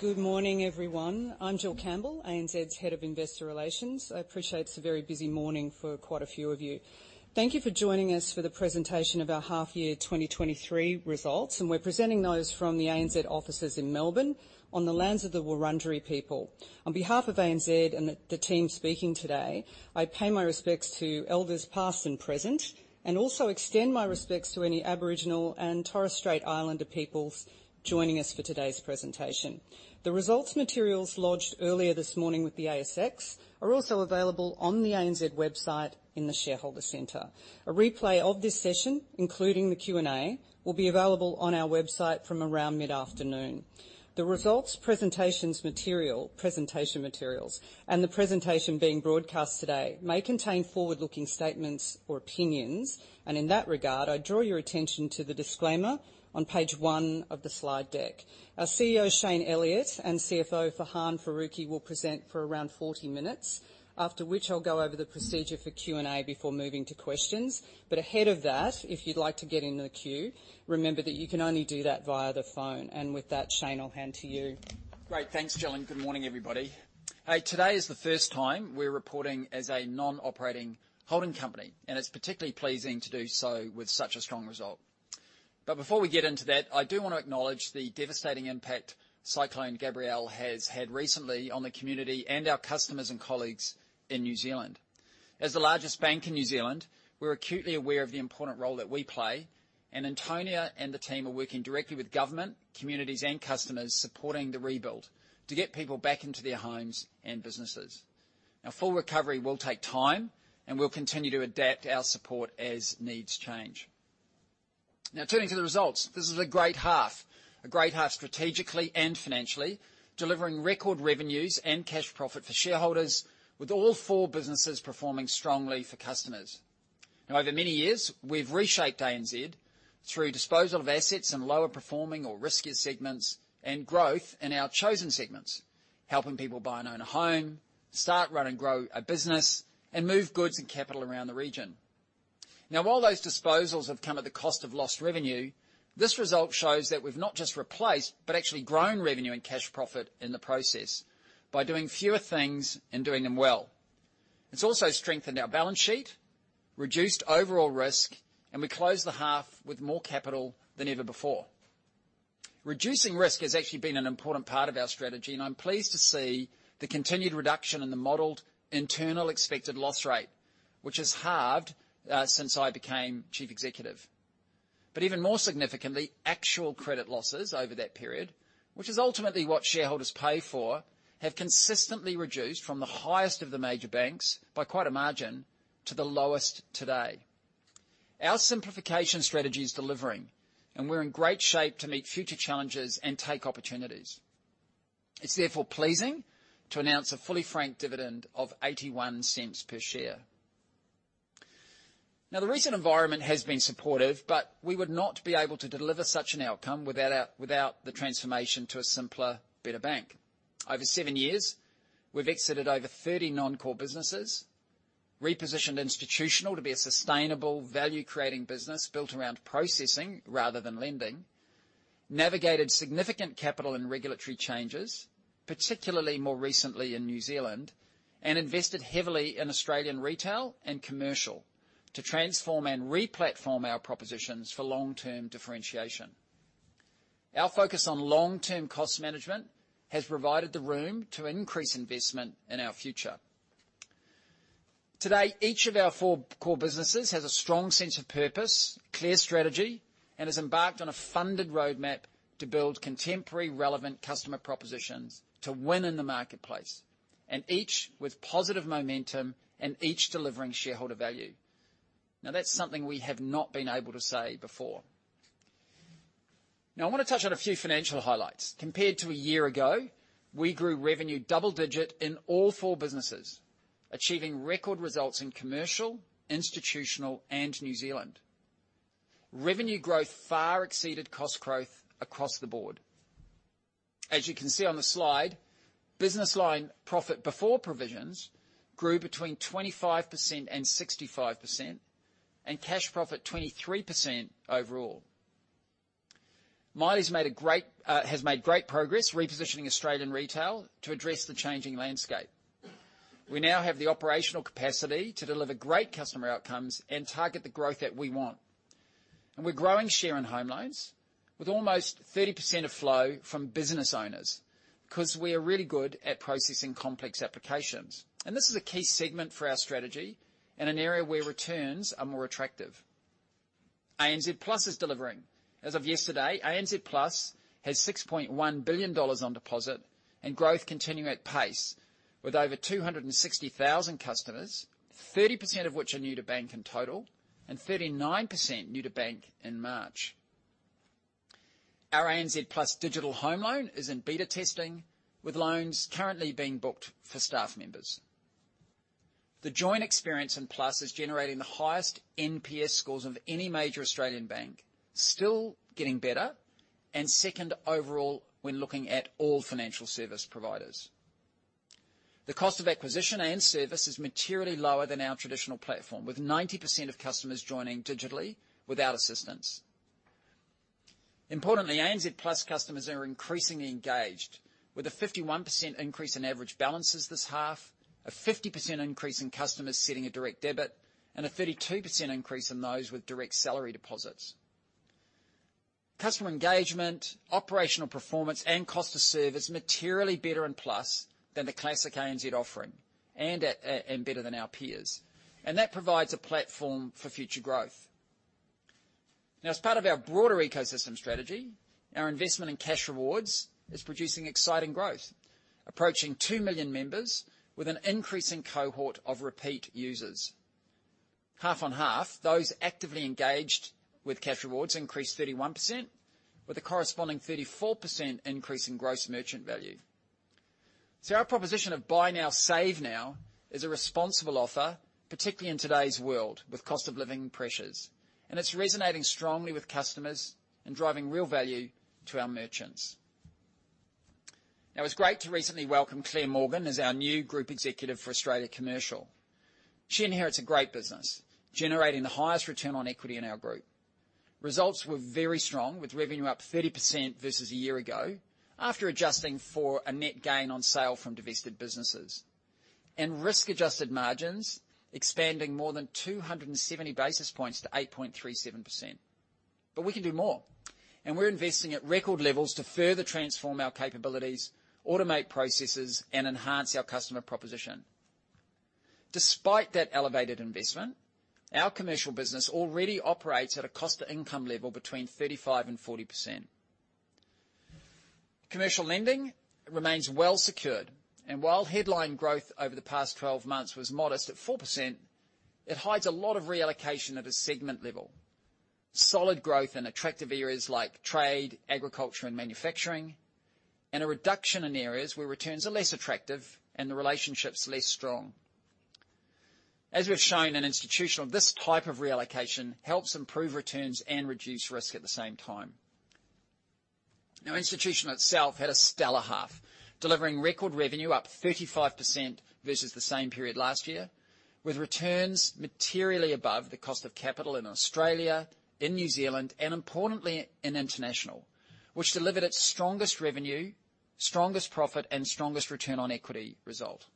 Good morning, everyone. I'm Jill Campbell, ANZ's Head of Investor Relations. I appreciate it's a very busy morning for quite a few of you. Thank you for joining us for the presentation of our half year 2023 results. We're presenting those from the ANZ offices in Melbourne on the lands of the Wurundjeri people. On behalf of ANZ and the team speaking today, I pay my respects to elders past and present. Also extend my respects to any Aboriginal and Torres Strait Islander peoples joining us for today's presentation. The results materials lodged earlier this morning with the ASX are also available on the ANZ website in the shareholder center. A replay of this session, including the Q&A, will be available on our website from around mid-afternoon. The results presentation materials, the presentation being broadcast today may contain forward-looking statements or opinions. In that regard, I draw your attention to the disclaimer on page one of the slide deck. Our CEO, Shayne Elliott, and CFO, Farhan Faruqui, will present for around 40 minutes, after which I'll go over the procedure for Q&A before moving to questions. Ahead of that, if you'd like to get in the queue, remember that you can only do that via the phone. With that, Shayne, I'll hand to you. Great. Thanks, Jill. Good morning, everybody. Today is the first time we're reporting as a non-operating holding company. It's particularly pleasing to do so with such a strong result. Before we get into that, I do want to acknowledge the devastating impact Cyclone Gabrielle has had recently on the community and our customers and colleagues in New Zealand. As the largest bank in New Zealand, we're acutely aware of the important role that we play. Antonia and the team are working directly with government, communities, and customers supporting the rebuild to get people back into their homes and businesses. Now, full recovery will take time. We'll continue to adapt our support as needs change. Now, turning to the results. This is a great half, a great half strategically and financially, delivering record revenues and cash profit for shareholders, with all four businesses performing strongly for customers. Over many years, we've reshaped ANZ through disposal of assets and lower performing or riskier segments, and growth in our chosen segments, helping people buy and own a home, start, run, and grow a business, and move goods and capital around the region. While those disposals have come at the cost of lost revenue, this result shows that we've not just replaced, but actually grown revenue and cash profit in the process by doing fewer things and doing them well. It's also strengthened our balance sheet, reduced overall risk, and we closed the half with more capital than ever before. Reducing risk has actually been an important part of our strategy, and I'm pleased to see the continued reduction in the modeled internal expected loss rate, which has halved since I became Chief Executive. Even more significantly, actual credit losses over that period, which is ultimately what shareholders pay for, have consistently reduced from the highest of the major banks by quite a margin to the lowest today. Our simplification strategy is delivering, and we're in great shape to meet future challenges and take opportunities. It's therefore pleasing to announce a fully frank dividend of 0.81 per share. Now, the recent environment has been supportive, but we would not be able to deliver such an outcome without the transformation to a simpler, better bank. Over seven years, we've exited over 30 non-core businesses, repositioned Institutional to be a sustainable value-creating business built around processing rather than lending, navigated significant capital and regulatory changes, particularly more recently in New Zealand, and invested heavily in Australian Retail and Commercial to transform and re-platform our propositions for long-term differentiation. Our focus on long-term cost management has provided the room to increase investment in our future. Today, each of our four core businesses has a strong sense of purpose, clear strategy, and has embarked on a funded roadmap to build contemporary relevant customer propositions to win in the marketplace, and each with positive momentum and each delivering shareholder value. That's something we have not been able to say before. I want to touch on a few financial highlights. Compared to a year ago, we grew revenue double-digit in all four businesses, achieving record results in commercial, institutional, and New Zealand. Revenue growth far exceeded cost growth across the board. As you can see on the slide, business line profit before provisions grew between 25% and 65%, and cash profit, 23% overall. Maile's has made great progress repositioning Australian Retail to address the changing landscape. We now have the operational capacity to deliver great customer outcomes and target the growth that we want. We're growing share in home loans with almost 30% of flow from business owners, 'cause we are really good at processing complex applications. This is a key segment for our strategy and an area where returns are more attractive. ANZ Plus is delivering. As of yesterday, ANZ Plus has 6.1 billion dollars on deposit and growth continuing at pace with over 260,000 customers, 30% of which are new to bank in total and 39% new to bank in March. Our ANZ Plus digital home loan is in beta testing, with loans currently being booked for staff members. The join experience in Plus is generating the highest NPS scores of any major Australian bank, still getting better, and second overall when looking at all financial service providers. The cost of acquisition ANZ service is materially lower than our traditional platform, with 90% of customers joining digitally without assistance. Importantly, ANZ Plus customers are increasingly engaged, with a 51% increase in average balances this half, a 50% increase in customers setting a direct debit, and a 32% increase in those with direct salary deposits. Customer engagement, operational performance, and cost to serve is materially better in Plus than the classic ANZ offering and better than our peers. That provides a platform for future growth. As part of our broader ecosystem strategy, our investment in Cashrewards is producing exciting growth, approaching 2 million members with an increasing cohort of repeat users. Half on half, those actively engaged with Cashrewards increased 31%, with a corresponding 34% increase in gross merchant value. Our proposition of buy now, save now is a responsible offer, particularly in today's world with cost of living pressures. It's resonating strongly with customers and driving real value to our merchants. It's great to recently welcome Clare Morgan as our new Group Executive for Australia Commercial. She inherits a great business, generating the highest return on equity in our group. Results were very strong, with revenue up 30% versus a year ago, after adjusting for a net gain on sale from divested businesses. Risk-adjusted margins expanding more than 270 basis points to 8.37%. We can do more, and we're investing at record levels to further transform our capabilities, automate processes, and enhance our customer proposition. Despite that elevated investment, our commercial business already operates at a cost to income level between 35% and 40%. Commercial lending remains well secured, while headline growth over the past 12 months was modest at 4%, it hides a lot of reallocation at a segment level. Solid growth in attractive areas like trade, agriculture, and manufacturing, and a reduction in areas where returns are less attractive and the relationship's less strong. As we've shown in Institutional, this type of reallocation helps improve returns and reduce risk at the same time. Institutional itself had a stellar half, delivering record revenue up 35% versus the same period last year, with returns materially above the cost of capital in Australia, in New Zealand, and importantly, in International, which delivered its strongest revenue, strongest profit, and strongest return on equity result.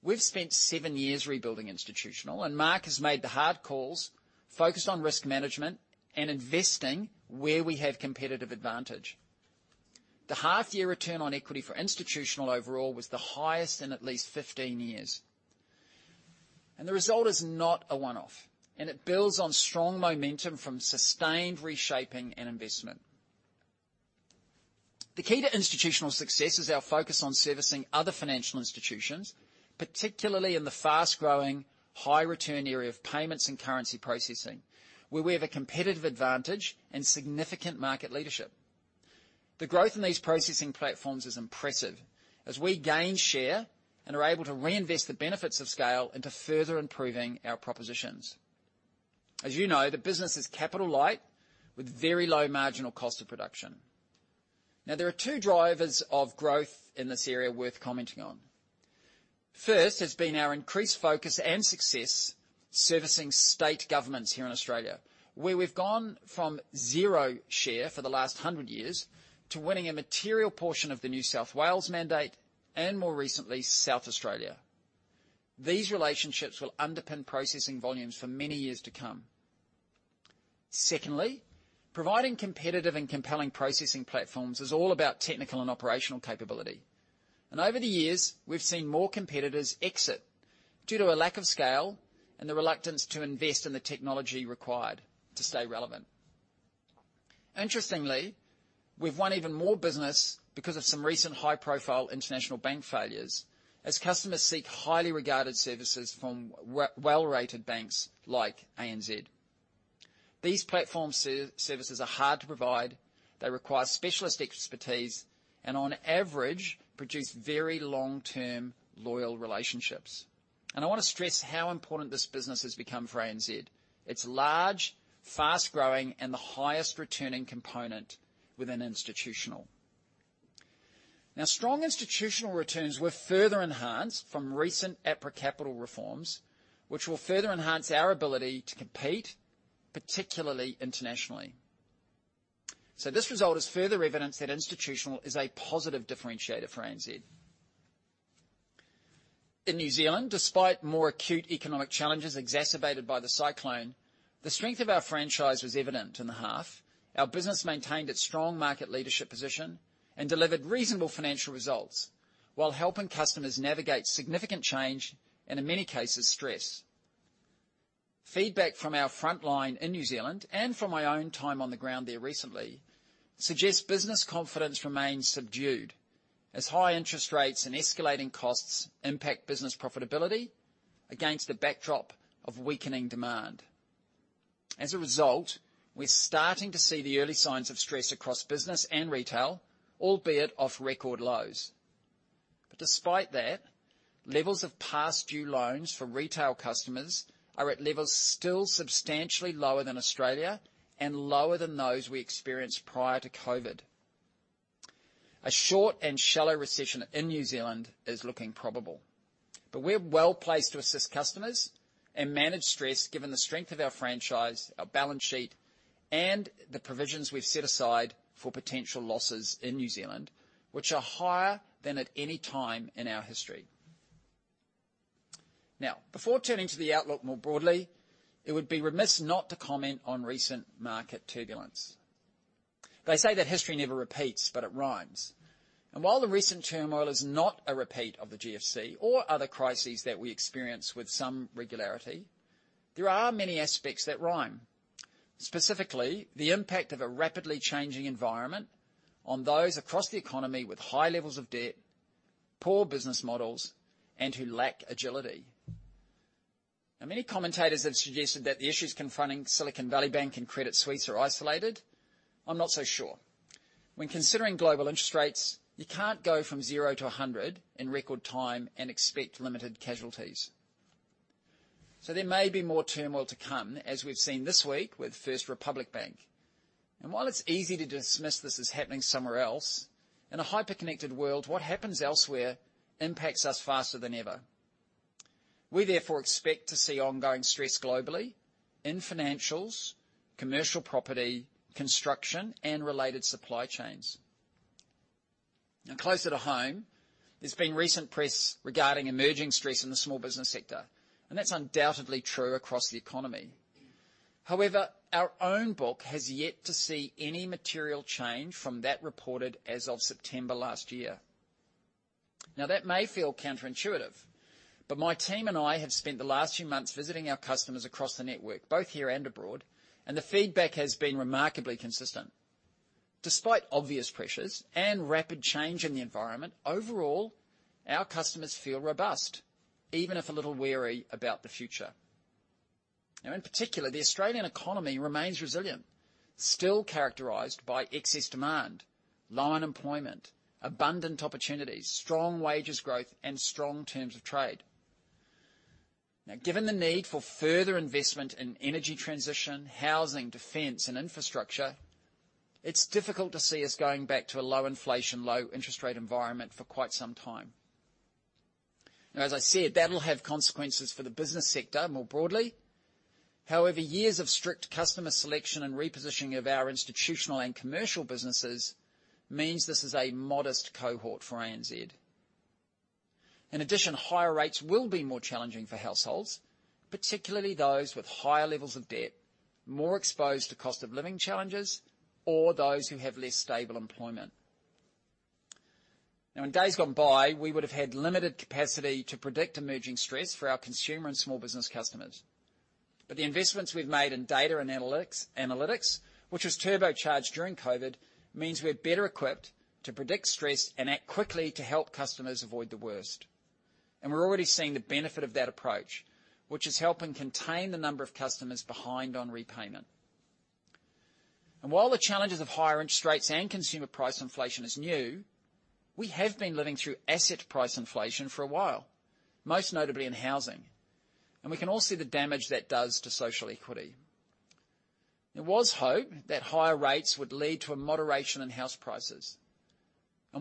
We've spent seven years rebuilding Institutional, and Mark has made the hard calls, focused on risk management, and investing where we have competitive advantage. The half-year return on equity for Institutional overall was the highest in at least 15 years. The result is not a one-off, and it builds on strong momentum from sustained reshaping and investment. The key to Institutional success is our focus on servicing other financial institutions, particularly in the fast-growing, high-return area of payments and currency processing, where we have a competitive advantage and significant market leadership. The growth in these processing platforms is impressive as we gain share and are able to reinvest the benefits of scale into further improving our propositions. As you know, the business is capital light with very low marginal cost of production. Now, there are two drivers of growth in this area worth commenting on. First, has been our increased focus and success servicing state governments here in Australia, where we've gone from zero share for the last 100 years to winning a material portion of the New South Wales mandate and more recently, South Australia. These relationships will underpin processing volumes for many years to come. Secondly, providing competitive and compelling processing platforms is all about technical and operational capability. Over the years, we've seen more competitors exit due to a lack of scale and the reluctance to invest in the technology required to stay relevant. Interestingly, we've won even more business because of some recent high-profile international bank failures as customers seek highly regarded services from well-rated banks like ANZ. These platform services are hard to provide, they require specialist expertise, and on average, produce very long-term loyal relationships. I want to stress how important this business has become for ANZ. It's large, fast-growing, and the highest returning component within Institutional. Strong Institutional returns were further enhanced from recent APRA capital reforms, which will further enhance our ability to compete, particularly internationally. This result is further evidence that Institutional is a positive differentiator for ANZ. In New Zealand, despite more acute economic challenges exacerbated by the cyclone, the strength of our franchise was evident in the half. Our business maintained its strong market leadership position and delivered reasonable financial results while helping customers navigate significant change and in many cases, stress. Feedback from our front line in New Zealand and from my own time on the ground there recently suggests business confidence remains subdued as high interest rates and escalating costs impact business profitability against the backdrop of weakening demand. As a result, we're starting to see the early signs of stress across business and retail, albeit off record lows. Despite that-Levels of past due loans for retail customers are at levels still substantially lower than Australia, and lower than those we experienced prior to COVID. A short and shallow recession in New Zealand is looking probable. We're well-placed to assist customers and manage stress, given the strength of our franchise, our balance sheet, and the provisions we've set aside for potential losses in New Zealand, which are higher than at any time in our history. Before turning to the outlook more broadly, it would be remiss not to comment on recent market turbulence. They say that history never repeats, but it rhymes. While the recent turmoil is not a repeat of the GFC or other crises that we experience with some regularity, there are many aspects that rhyme. Specifically, the impact of a rapidly changing environment on those across the economy with high levels of debt, poor business models, and who lack agility. Many commentators have suggested that the issues confronting Silicon Valley Bank and Credit Suisse are isolated. I'm not so sure. When considering global interest rates, you can't go from zero to a hundred in record time and expect limited casualties. There may be more turmoil to come, as we've seen this week with First Republic Bank. While it's easy to dismiss this as happening somewhere else, in a hyper-connected world, what happens elsewhere impacts us faster than ever. We therefore expect to see ongoing stress globally in financials, commercial property, construction, and related supply chains. Now, closer to home, there's been recent press regarding emerging stress in the small business sector, and that's undoubtedly true across the economy. However, our own book has yet to see any material change from that reported as of September last year. That may feel counterintuitive, but my team and I have spent the last few months visiting our customers across the network, both here and abroad, and the feedback has been remarkably consistent. Despite obvious pressures and rapid change in the environment, overall, our customers feel robust, even if a little wary about the future. In particular, the Australian economy remains resilient, still characterized by excess demand, low unemployment, abundant opportunities, strong wages growth, and strong terms of trade. Given the need for further investment in energy transition, housing, defense, and infrastructure, it's difficult to see us going back to a low inflation, low interest rate environment for quite some time. As I said, that'll have consequences for the business sector more broadly. However, years of strict customer selection and repositioning of our institutional and commercial businesses means this is a modest cohort for ANZ. In addition, higher rates will be more challenging for households, particularly those with higher levels of debt, more exposed to cost of living challenges, or those who have less stable employment. Now, in days gone by, we would have had limited capacity to predict emerging stress for our consumer and small business customers, but the investments we've made in data and analytics, which was turbocharged during COVID, means we're better equipped to predict stress and act quickly to help customers avoid the worst. We're already seeing the benefit of that approach, which is helping contain the number of customers behind on repayment. While the challenges of higher interest rates and consumer price inflation is new, we have been living through asset price inflation for a while, most notably in housing, and we can all see the damage that does to social equity. There was hope that higher rates would lead to a moderation in house prices.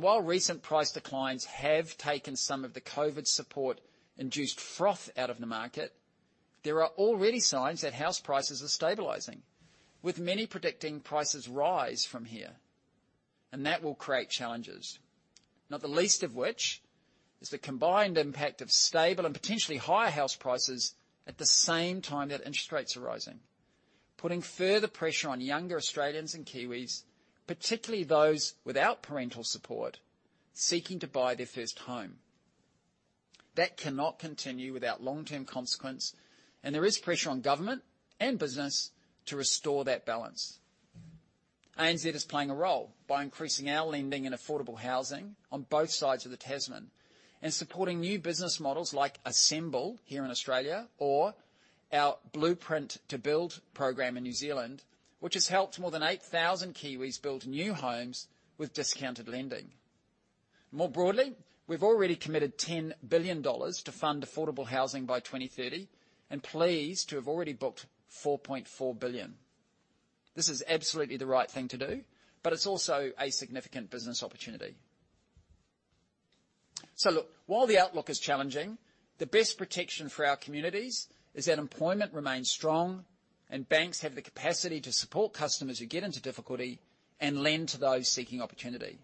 While recent price declines have taken some of the COVID support-induced froth out of the market, there are already signs that house prices are stabilizing, with many predicting prices rise from here. That will create challenges. Not the least of which is the combined impact of stable and potentially higher house prices at the same time that interest rates are rising, putting further pressure on younger Australians and Kiwis, particularly those without parental support, seeking to buy their first home. That cannot continue without long-term consequence, and there is pressure on government and business to restore that balance. ANZ is playing a role by increasing our lending in affordable housing on both sides of the Tasman and supporting new business models like Assemble here in Australia or our Blueprint to Build program in New Zealand, which has helped more than 8,000 Kiwis build new homes with discounted lending. More broadly, we've already committed 10 billion dollars to fund affordable housing by 2030 and pleased to have already booked 4.4 billion. This is absolutely the right thing to do, but it's also a significant business opportunity. Look, while the outlook is challenging, the best protection for our communities is that employment remains strong and banks have the capacity to support customers who get into difficulty and lend to those seeking opportunity.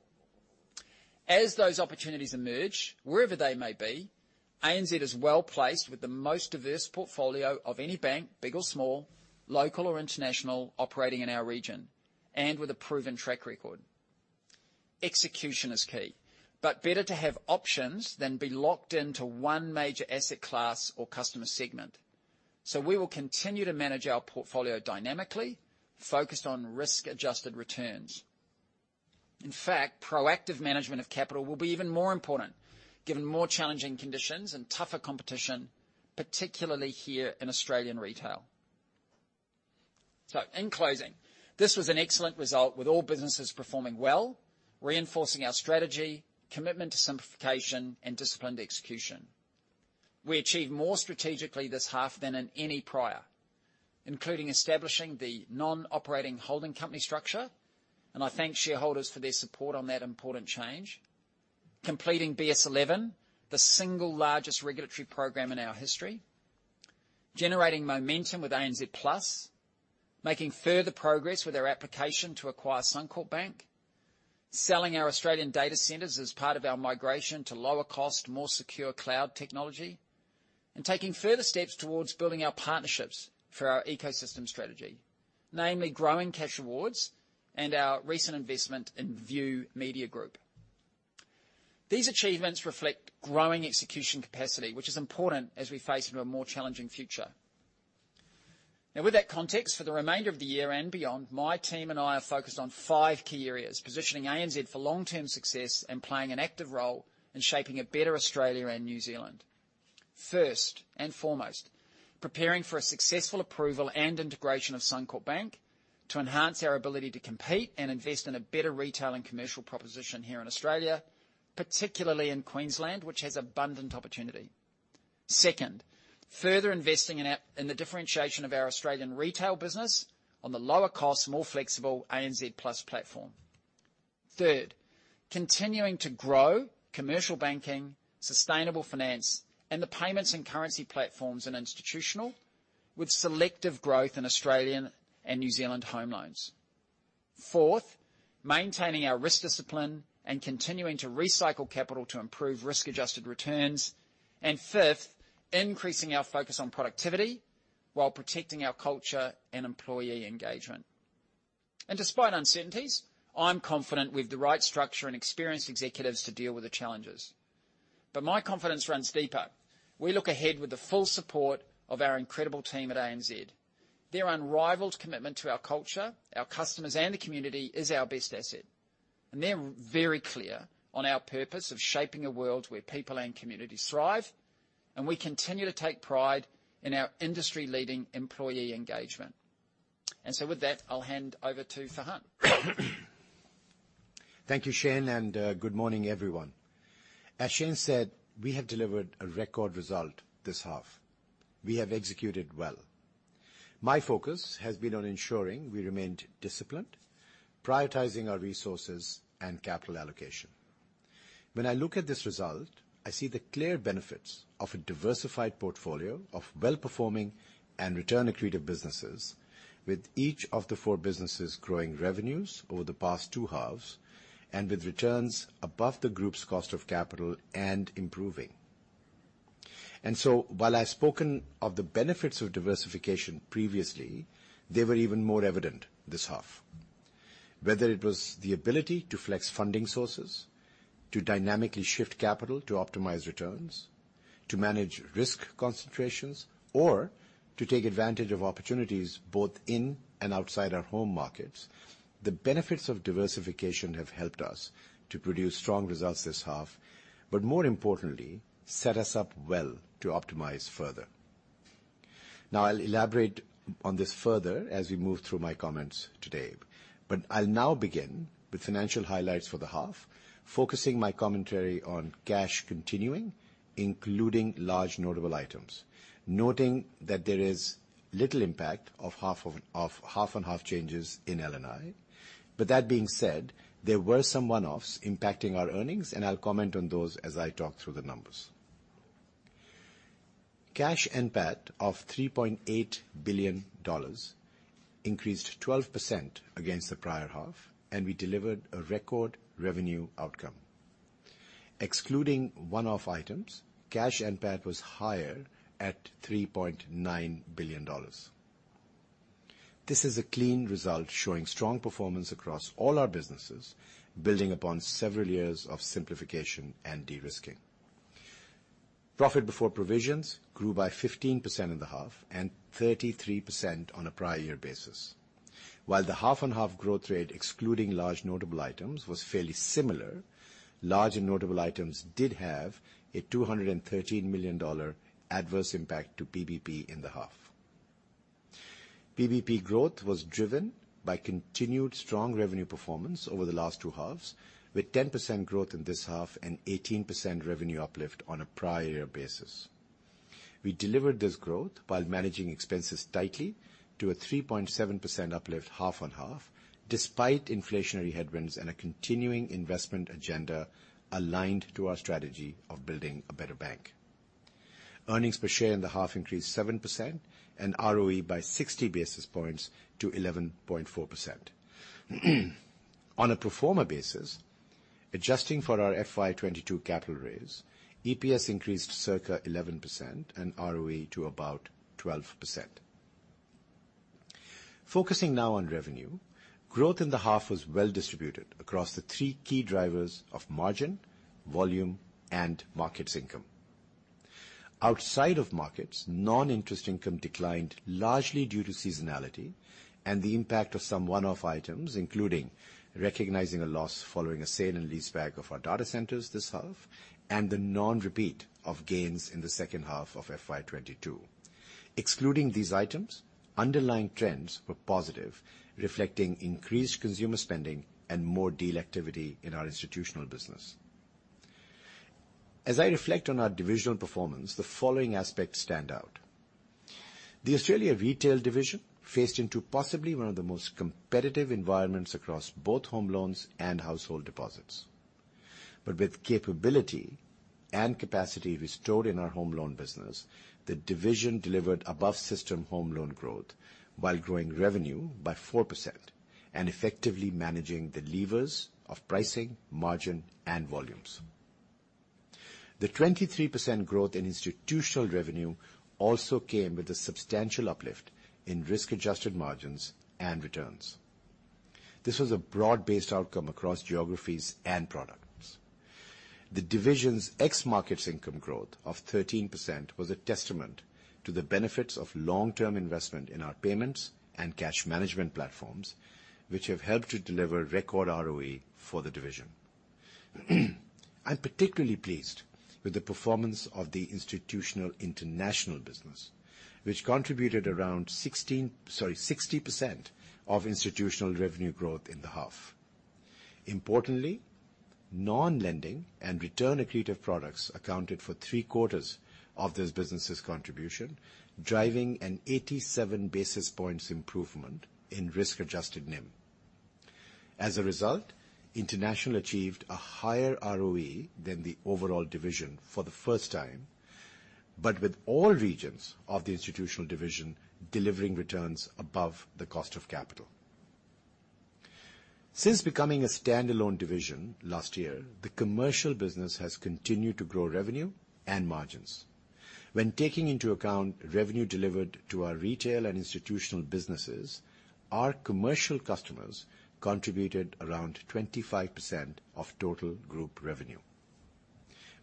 As those opportunities emerge, wherever they may be, ANZ is well-placed with the most diverse portfolio of any bank, big or small, local or international, operating in our region, and with a proven track record. Execution is key, better to have options than be locked into one major asset class or customer segment. We will continue to manage our portfolio dynamically, focused on risk-adjusted returns. In fact, proactive management of capital will be even more important given more challenging conditions and tougher competition, particularly here in Australian retail. In closing, this was an excellent result with all businesses performing well, reinforcing our strategy, commitment to simplification, and disciplined execution. We achieved more strategically this half than in any prior, including establishing the non-operating holding company structure, and I thank shareholders for their support on that important change. Completing BS11, the single largest regulatory program in our history. Generating momentum with ANZ Plus. Making further progress with our application to acquire Suncorp Bank. Selling our Australian data centers as part of our migration to lower cost, more secure cloud technology. Taking further steps towards building our partnerships for our ecosystem strategy, namely growing Cashrewards and our recent investment in View Media Group. These achievements reflect growing execution capacity, which is important as we face into a more challenging future. Now, with that context, for the remainder of the year and beyond, my team and I are focused on five key areas, positioning ANZ for long-term success and playing an active role in shaping a better Australia and New Zealand. First and foremost, preparing for a successful approval and integration of Suncorp Bank to enhance our ability to compete and invest in a better retail and commercial proposition here in Australia, particularly in Queensland, which has abundant opportunity. Second, further investing in the differentiation of our Australian retail business on the lower cost, more flexible ANZ Plus platform. Third, continuing to grow commercial banking, sustainable finance, and the payments and currency platforms in institutional with selective growth in Australian and New Zealand home loans. Fourth, maintaining our risk discipline and continuing to recycle capital to improve risk-adjusted returns. Fifth, increasing our focus on productivity while protecting our culture and employee engagement. Despite uncertainties, I'm confident we have the right structure and experienced executives to deal with the challenges. My confidence runs deeper. We look ahead with the full support of our incredible team at ANZ.Their unrivaled commitment to our culture, our customers, and the community is our best asset, and they're very clear on our purpose of shaping a world where people and community thrive, and we continue to take pride in our industry-leading employee engagement. With that, I'll hand over to Farhan. Thank you, Shayne, and good morning, everyone. As Shayne said, we have delivered a record result this half. We have executed well. My focus has been on ensuring we remained disciplined, prioritizing our resources and capital allocation. When I look at this result, I see the clear benefits of a diversified portfolio of well-performing and return accretive businesses with each of the four businesses growing revenues over the past two halves and with returns above the group's cost of capital and improving. While I've spoken of the benefits of diversification previously, they were even more evident this half. Whether it was the ability to flex funding sources, to dynamically shift capital to optimize returns, to manage risk concentrations, or to take advantage of opportunities both in and outside our home markets, the benefits of diversification have helped us to produce strong results this half, but more importantly, set us up well to optimize further. I'll elaborate on this further as we move through my comments today. I'll now begin with financial highlights for the half, focusing my commentary on Cash continuing, including large notable items. Noting that there is little impact of half-on-half changes in LNI. That being said, there were some one-offs impacting our earnings, and I'll comment on those as I talk through the numbers. Cash NPAT of $3.8 billion increased 12% against the prior half, and we delivered a record revenue outcome. Excluding one-off items, Cash NPAT was higher at $3.9 billion. This is a clean result showing strong performance across all our businesses, building upon several years of simplification and de-risking. Profit before provisions grew by 15% in the half, and 33% on a prior year basis. While the half-on-half growth rate, excluding large notable items, was fairly similar, large and notable items did have a $213 million adverse impact to PBP in the half. PBP growth was driven by continued strong revenue performance over the last two halves, with 10% growth in this half and 18% revenue uplift on a prior year basis. We delivered this growth while managing expenses tightly to a 3.7% uplift half-on-half, despite inflationary headwinds and a continuing investment agenda aligned to our strategy of building a better bank. Earnings per share in the half increased 7% and ROE by 60 basis points to 11.4%. On a pro forma basis, adjusting for our FY22 capital raise, EPS increased circa 11% and ROE to about 12%. Focusing now on revenue. Growth in the half was well distributed across the three key drivers of margin, volume, and markets income. Outside of markets, non-interest income declined largely due to seasonality and the impact of some one-off items, including recognizing a loss following a sale and leaseback of our data centers this half and the non-repeat of gains in the second half of FY22. Excluding these items, underlying trends were positive, reflecting increased consumer spending and more deal activity in our institutional business. As I reflect on our divisional performance, the following aspects stand out. The Australian Retail division faced into possibly one of the most competitive environments across both home loans and household deposits. With capability and capacity we stored in our home loan business, the division delivered above system home loan growth while growing revenue by 4% and effectively managing the levers of pricing, margin, and volumes. The 23% growth in institutional revenue also came with a substantial uplift in risk-adjusted margins and returns. This was a broad-based outcome across geographies and products. The division's ex markets income growth of 13% was a testament to the benefits of long-term investment in our payments and cash management platforms, which have helped to deliver record ROE for the division. I'm particularly pleased with the performance of the institutional international business, which contributed around 60% of institutional revenue growth in the half. Non-lending and return accretive products accounted for three-quarters of this business' contribution, driving an 87 basis points improvement in risk-adjusted NIM. As a result, international achieved a higher ROE than the overall division for the first time, with all regions of the institutional division delivering returns above the cost of capital. Since becoming a standalone division last year, the commercial business has continued to grow revenue and margins. When taking into account revenue delivered to our retail and institutional businesses, our commercial customers contributed around 25% of total group revenue.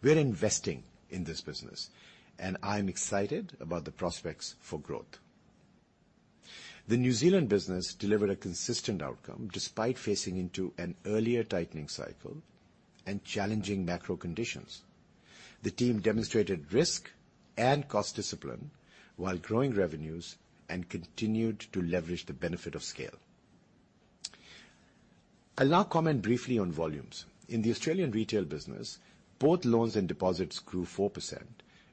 We're investing in this business, I'm excited about the prospects for growth. The New Zealand business delivered a consistent outcome despite facing into an earlier tightening cycle and challenging macro conditions. The team demonstrated risk and cost discipline while growing revenues and continued to leverage the benefit of scale. I'll now comment briefly on volumes. In the Australian retail business, both loans and deposits grew 4%,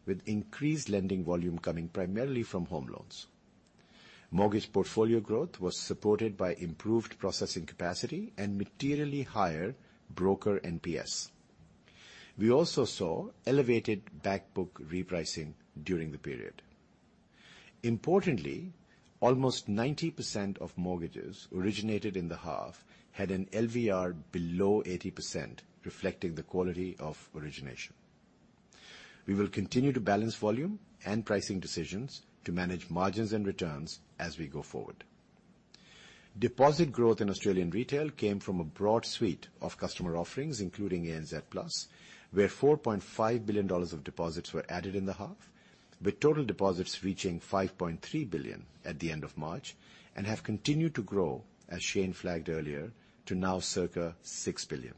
with increased lending volume coming primarily from home loans. Mortgage portfolio growth was supported by improved processing capacity and materially higher broker NPS. We also saw elevated back book repricing during the period. Importantly, almost 90% of mortgages originated in the half had an LVR below 80%, reflecting the quality of origination. We will continue to balance volume and pricing decisions to manage margins and returns as we go forward. Deposit growth in Australian retail came from a broad suite of customer offerings, including ANZ Plus, where 4.5 billion dollars of deposits were added in the half, with total deposits reaching 5.3 billion at the end of March, and have continued to grow, as Shayne flagged earlier, to now circa 6 billion.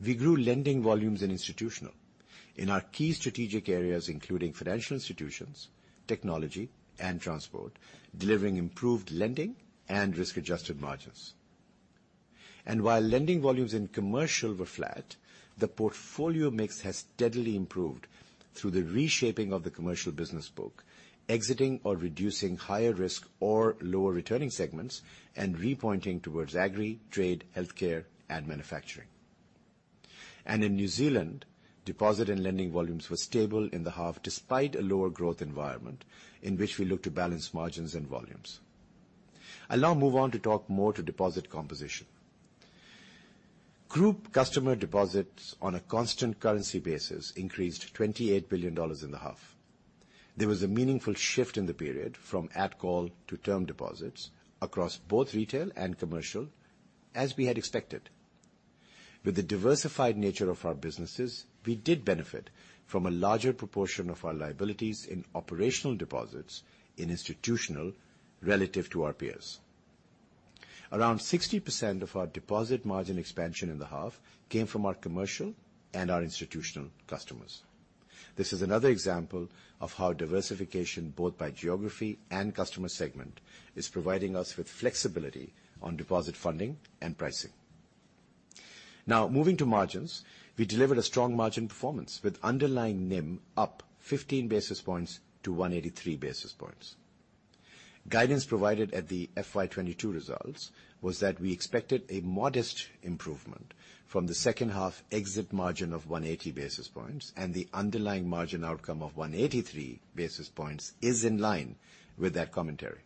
We grew lending volumes in institutional in our key strategic areas, including financial institutions, technology, and transport, delivering improved lending and risk-adjusted margins. While lending volumes in commercial were flat, the portfolio mix has steadily improved through the reshaping of the commercial business book, exiting or reducing higher risk or lower returning segments, and repointing towards agri, trade, healthcare, and manufacturing. In New Zealand, deposit and lending volumes were stable in the half despite a lower growth environment in which we look to balance margins and volumes. I'll now move on to talk more to deposit composition. Group customer deposits on a constant currency basis increased 28 billion dollars in the half. There was a meaningful shift in the period from at call to term deposits across both retail and commercial, as we had expected. With the diversified nature of our businesses, we did benefit from a larger proportion of our liabilities in operational deposits in institutional relative to our peers. Around 60% of our deposit margin expansion in the half came from our commercial and our institutional customers. This is another example of how diversification, both by geography and customer segment, is providing us with flexibility on deposit funding and pricing. Moving to margins, we delivered a strong margin performance with underlying NIM up 15 basis points to 183 basis points. Guidance provided at the FY 2022 results was that we expected a modest improvement from the second half exit margin of 180 basis points, and the underlying margin outcome of 183 basis points is in line with that commentary.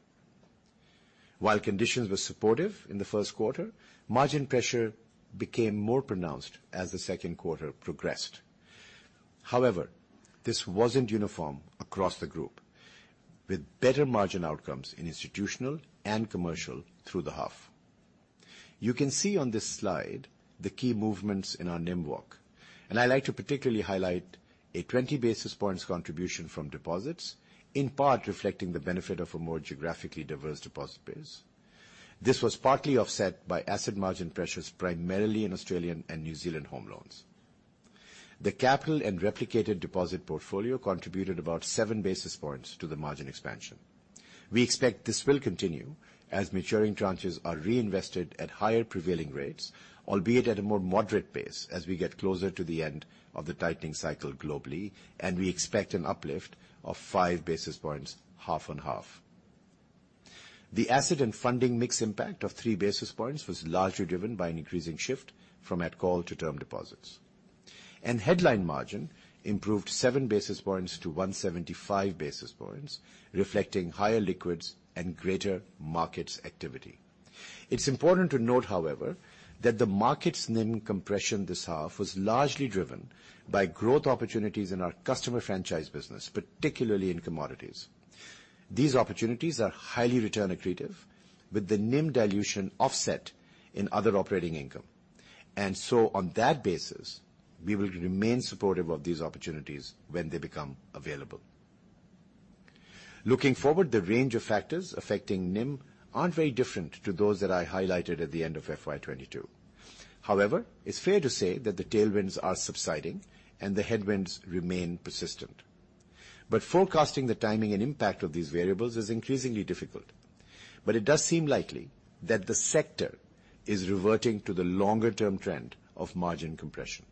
While conditions were supportive in the first quarter, margin pressure became more pronounced as the second quarter progressed. This wasn't uniform across the group, with better margin outcomes in institutional and commercial through the half. You can see on this slide the key movements in our NIM walk, I like to particularly highlight a 20 basis points contribution from deposits, in part reflecting the benefit of a more geographically diverse deposit base. This was partly offset by asset margin pressures, primarily in Australian and New Zealand home loans. The capital and replicated deposit portfolio contributed about 7 basis points to the margin expansion. We expect this will continue as maturing tranches are reinvested at higher prevailing rates, albeit at a more moderate pace as we get closer to the end of the tightening cycle globally, we expect an uplift of 5 basis points half on half. The asset and funding mix impact of three basis points was largely driven by an increasing shift from at call to term deposits. Headline margin improved seven basis points to 175 basis points, reflecting higher liquids and greater markets activity. It's important to note, however, that the markets NIM compression this half was largely driven by growth opportunities in our customer franchise business, particularly in commodities. These opportunities are highly return accretive with the NIM dilution offset in other operating income. On that basis, we will remain supportive of these opportunities when they become available. Looking forward, the range of factors affecting NIM aren't very different to those that I highlighted at the end of FY 2022. However, it's fair to say that the tailwinds are subsiding and the headwinds remain persistent. Forecasting the timing and impact of these variables is increasingly difficult. It does seem likely that the sector is reverting to the longer-term trend of margin compression.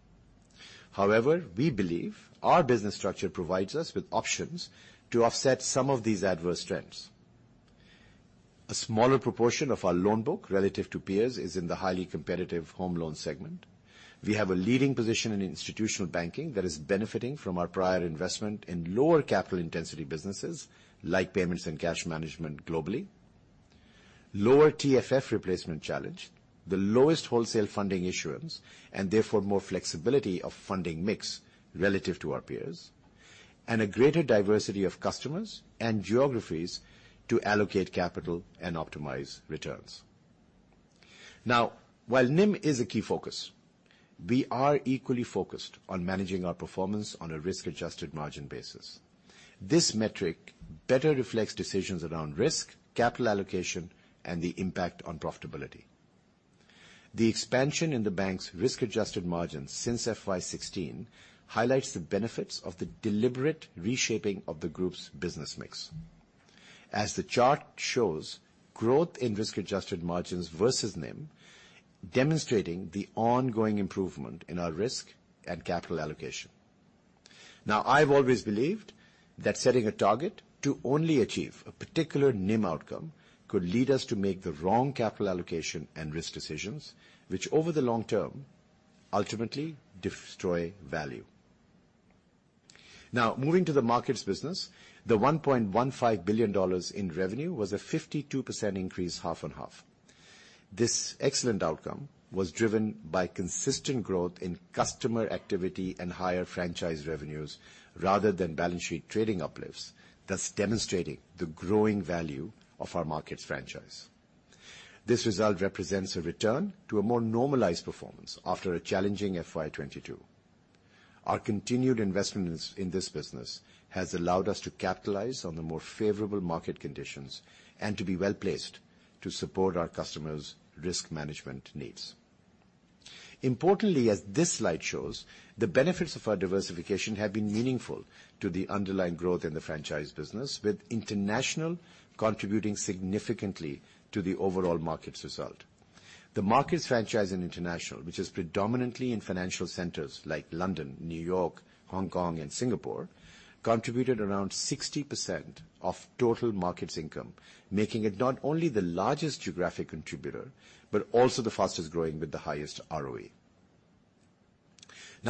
However, we believe our business structure provides us with options to offset some of these adverse trends. A smaller proportion of our loan book relative to peers is in the highly competitive home loan segment. We have a leading position in institutional banking that is benefiting from our prior investment in lower capital intensity businesses like payments and cash management globally. Lower TFF replacement challenge, the lowest wholesale funding issuance, and therefore, more flexibility of funding mix relative to our peers, and a greater diversity of customers and geographies to allocate capital and optimize returns. While NIM is a key focus, we are equally focused on managing our performance on a risk-adjusted margin basis. This metric better reflects decisions around risk, capital allocation, and the impact on profitability. The expansion in the bank's risk-adjusted margins since FY16 highlights the benefits of the deliberate reshaping of the group's business mix. As the chart shows, growth in risk-adjusted margins versus NIM, demonstrating the ongoing improvement in our risk and capital allocation. Now, I've always believed that setting a target to only achieve a particular NIM outcome could lead us to make the wrong capital allocation and risk decisions, which over the long term, ultimately destroy value. Moving to the markets business, the 1.15 billion dollars in revenue was a 52% increase half on half. This excellent outcome was driven by consistent growth in customer activity and higher franchise revenues rather than balance sheet trading uplifts, thus demonstrating the growing value of our markets franchise. This result represents a return to a more normalized performance after a challenging FY22. Our continued investment in this business has allowed us to capitalize on the more favorable market conditions and to be well-placed to support our customers' risk management needs. Importantly, as this slide shows, the benefits of our diversification have been meaningful to the underlying growth in the franchise business, with international contributing significantly to the overall markets result. The markets franchise in international, which is predominantly in financial centers like London, New York, Hong Kong, and Singapore, contributed around 60% of total markets income, making it not only the largest geographic contributor, but also the fastest-growing with the highest ROE.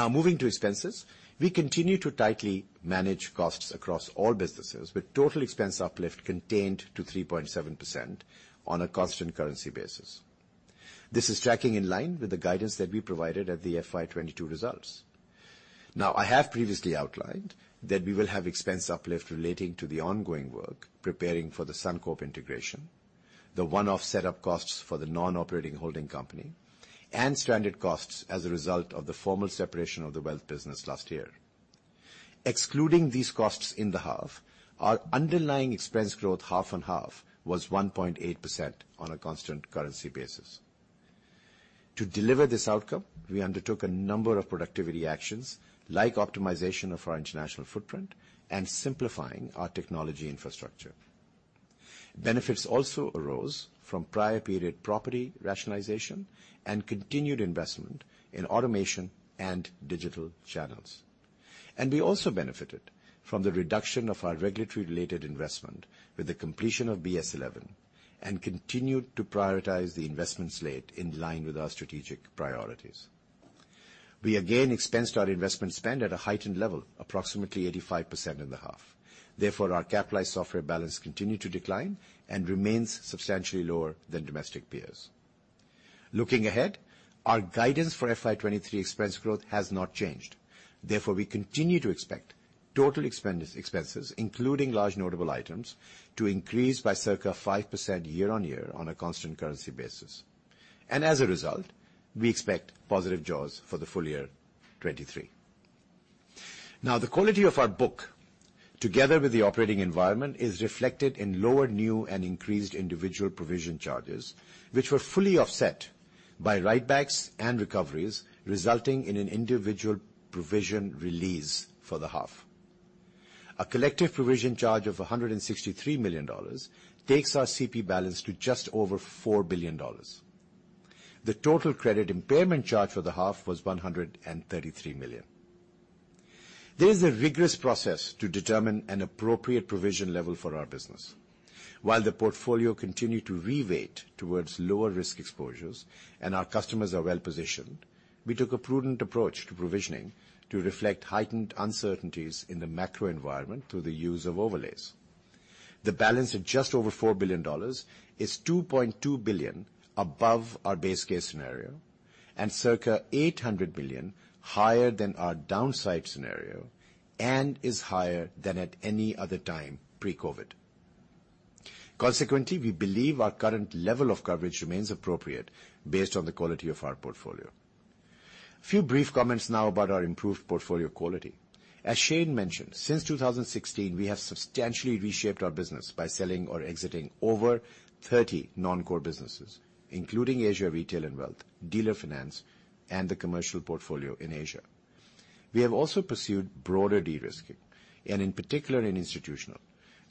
Moving to expenses, we continue to tightly manage costs across all businesses, with total expense uplift contained to 3.7% on a constant currency basis. This is tracking in line with the guidance that we provided at the FY 2022 results. I have previously outlined that we will have expense uplift relating to the ongoing work preparing for the Suncorp integration, the one-off set up costs for the non-operating holding company, and stranded costs as a result of the formal separation of the wealth business last year. Excluding these costs in the half, our underlying expense growth half on half was 1.8% on a constant currency basis. To deliver this outcome, we undertook a number of productivity actions like optimization of our international footprint and simplifying our technology infrastructure. Benefits also arose from prior period property rationalization and continued investment in automation and digital channels. We also benefited from the reduction of our regulatory-related investment with the completion of BS11 and continued to prioritize the investment slate in line with our strategic priorities. We again expensed our investment spend at a heightened level, approximately 85% in the half. Our capitalized software balance continued to decline and remains substantially lower than domestic peers. Looking ahead, our guidance for FY 2023 expense growth has not changed. We continue to expect total expenses, including large notable items, to increase by circa 5% year-on-year on a constant currency basis. We expect positive jaws for the full year 23. The quality of our book, together with the operating environment, is reflected in lower new and increased individual provision charges, which were fully offset by write-backs and recoveries, resulting in an individual provision release for the half. A collective provision charge of AUD 163 million takes our CP balance to just over AUD 4 billion. The total credit impairment charge for the half was AUD 133 million. There is a rigorous process to determine an appropriate provision level for our business. While the portfolio continued to reweight towards lower risk exposures and our customers are well-positioned, we took a prudent approach to provisioning to reflect heightened uncertainties in the macro environment through the use of overlays. The balance of just over 4 billion dollars is 2.2 billion above our base case scenario and circa 800 million higher than our downside scenario and is higher than at any other time pre-COVID. Consequently, we believe our current level of coverage remains appropriate based on the quality of our portfolio. A few brief comments now about our improved portfolio quality. As Shayne mentioned, since 2016, we have substantially reshaped our business by selling or exiting over 30 non-core businesses, including Asia Retail and Wealth, Dealer Finance, and the commercial portfolio in Asia. We have also pursued broader de-risking, and in particular, in Institutional,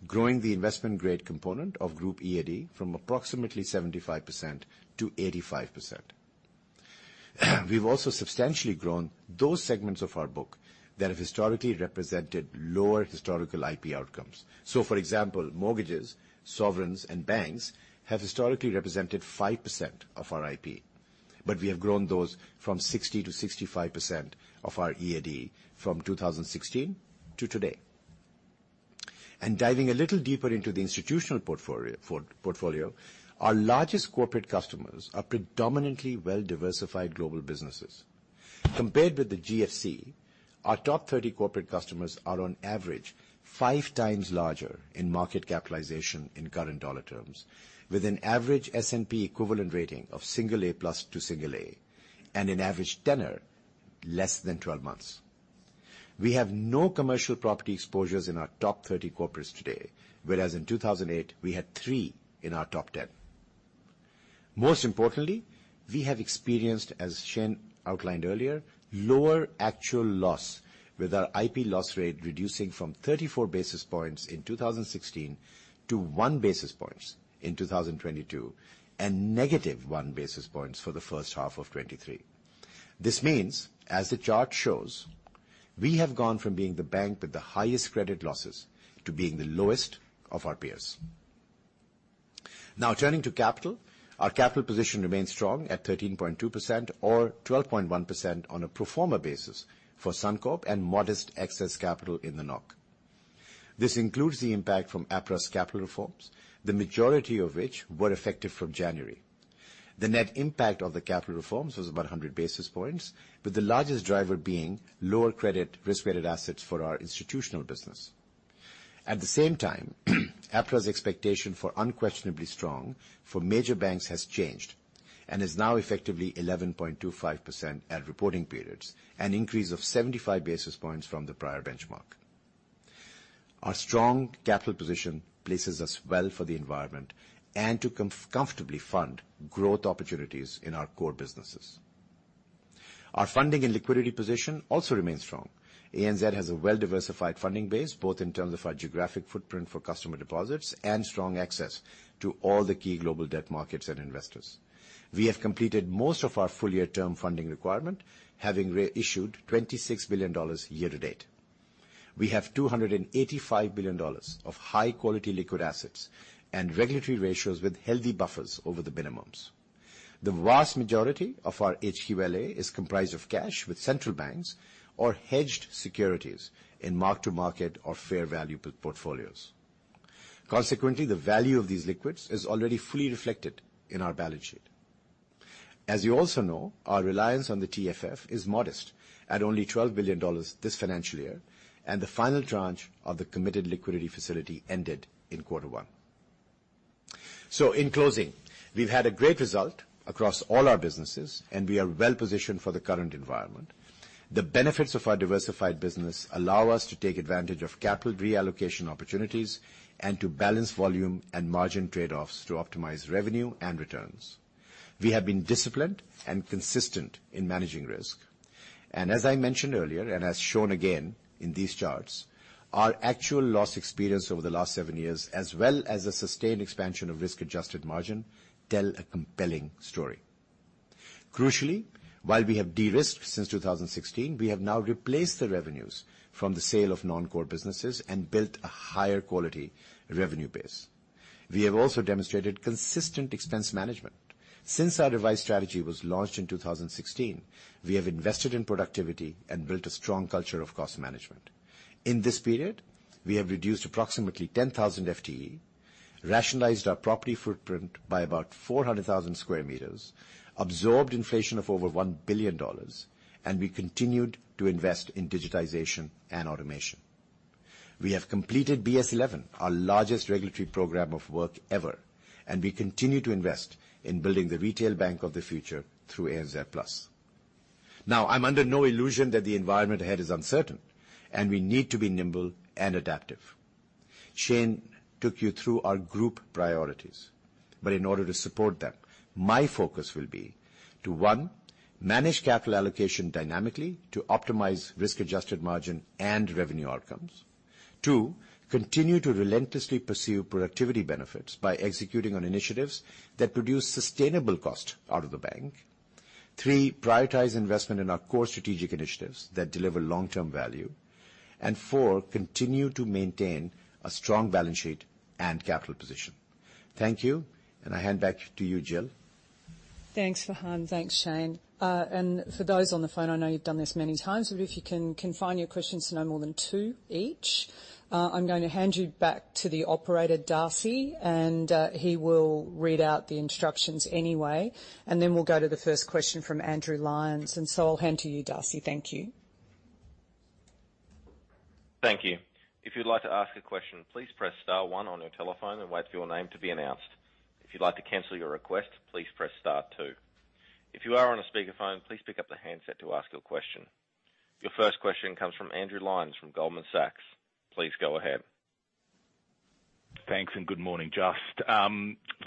growing the investment-grade component of Group EAD from approximately 75%-85%. We've also substantially grown those segments of our book that have historically represented lower historical IP outcomes. For example, mortgages, sovereigns, and banks have historically represented 5% of our IP, but we have grown those from 60%-65% of our EAD from 2016 to today. Diving a little deeper into the Institutional portfolio, our largest corporate customers are predominantly well-diversified global businesses. Compared with the GFC, our top 30 corporate customers are on average 5 times larger in market capitalization in current dollar terms, with an average S&P equivalent rating of single A+ to single A, and an average tenor less than 12 months. We have no commercial property exposures in our top 30 corporates today, whereas in 2008, we had three in our top 10. Most importantly, we have experienced, as Shane outlined earlier, lower actual loss with our IP loss rate reducing from 34 basis points in 2016 to one basis points in 2022, and negative one basis points for the first half of 2023. This means, as the chart shows, we have gone from being the bank with the highest credit losses to being the lowest of our peers. Turning to capital. Our capital position remains strong at 13.2% or 12.1% on a pro forma basis for Suncorp and modest excess capital in the NOC. This includes the impact from APRA's capital reforms, the majority of which were effective from January. The net impact of the capital reforms was about 100 basis points, with the largest driver being lower credit risk-weighted assets for our institutional business. At the same time, APRA's expectation for unquestionably strong for major banks has changed and is now effectively 11.25% at reporting periods, an increase of 75 basis points from the prior benchmark. Our strong capital position places us well for the environment and to comfortably fund growth opportunities in our core businesses. Our funding and liquidity position also remains strong. ANZ has a well-diversified funding base, both in terms of our geographic footprint for customer deposits and strong access to all the key global debt markets and investors. We have completed most of our full-year term funding requirement, having reissued 26 billion dollars year to date. We have 285 billion dollars of high-quality liquid assets and regulatory ratios with healthy buffers over the minimums. The vast majority of our HQLA is comprised of cash with central banks or hedged securities in mark-to-market or fair value portfolios. Consequently, the value of these liquids is already fully reflected in our balance sheet. As you also know, our reliance on the TFF is modest at only 12 billion dollars this financial year, and the final tranche of the committed liquidity facility ended in quarter one. In closing, we've had a great result across all our businesses, and we are well-positioned for the current environment. The benefits of our diversified business allow us to take advantage of capital reallocation opportunities and to balance volume and margin trade-offs to optimize revenue and returns. We have been disciplined and consistent in managing risk. As I mentioned earlier, and as shown again in these charts, our actual loss experience over the last seven years, as well as the sustained expansion of risk-adjusted NIM, tell a compelling story. Crucially, while we have de-risked since 2016, we have now replaced the revenues from the sale of non-core businesses and built a higher quality revenue base. We have also demonstrated consistent expense management. Since our revised strategy was launched in 2016, we have invested in productivity and built a strong culture of cost management. In this period, we have reduced approximately 10,000 FTE, rationalized our property footprint by about 400,000 square meters, absorbed inflation of over 1 billion dollars, and we continued to invest in digitization and automation. We have completed BS11, our largest regulatory program of work ever, and we continue to invest in building the retail bank of the future through ANZ Plus. Now, I'm under no illusion that the environment ahead is uncertain and we need to be nimble and adaptive. Shayne took you through our group priorities, but in order to support them, my focus will be to, one, manage capital allocation dynamically to optimize risk-adjusted margin and revenue outcomes. Two, continue to relentlessly pursue productivity benefits by executing on initiatives that produce sustainable cost out of the bank. Three, prioritize investment in our core strategic initiatives that deliver long-term value. Four, continue to maintain a strong balance sheet and capital position. Thank you, and I hand back to you, Jill. Thanks, Fahim. Thanks, Shayne. For those on the phone, I know you've done this many times, but if you can, confine your questions to no more than two each. I'm gonna hand you back to the operator, Darcy, and he will read out the instructions anyway. Then we'll go to the first question from Andrew Lyons. So I'll hand to you, Darcy. Thank you. Thank you. If you'd like to ask a question, please press star one on your telephone and wait for your name to be announced. If you'd like to cancel your request, please press star two. If you are on a speakerphone, please pick up the handset to ask your question. Your first question comes from Andrew Lyons from Goldman Sachs. Please go ahead. Thanks. Good morning. Just,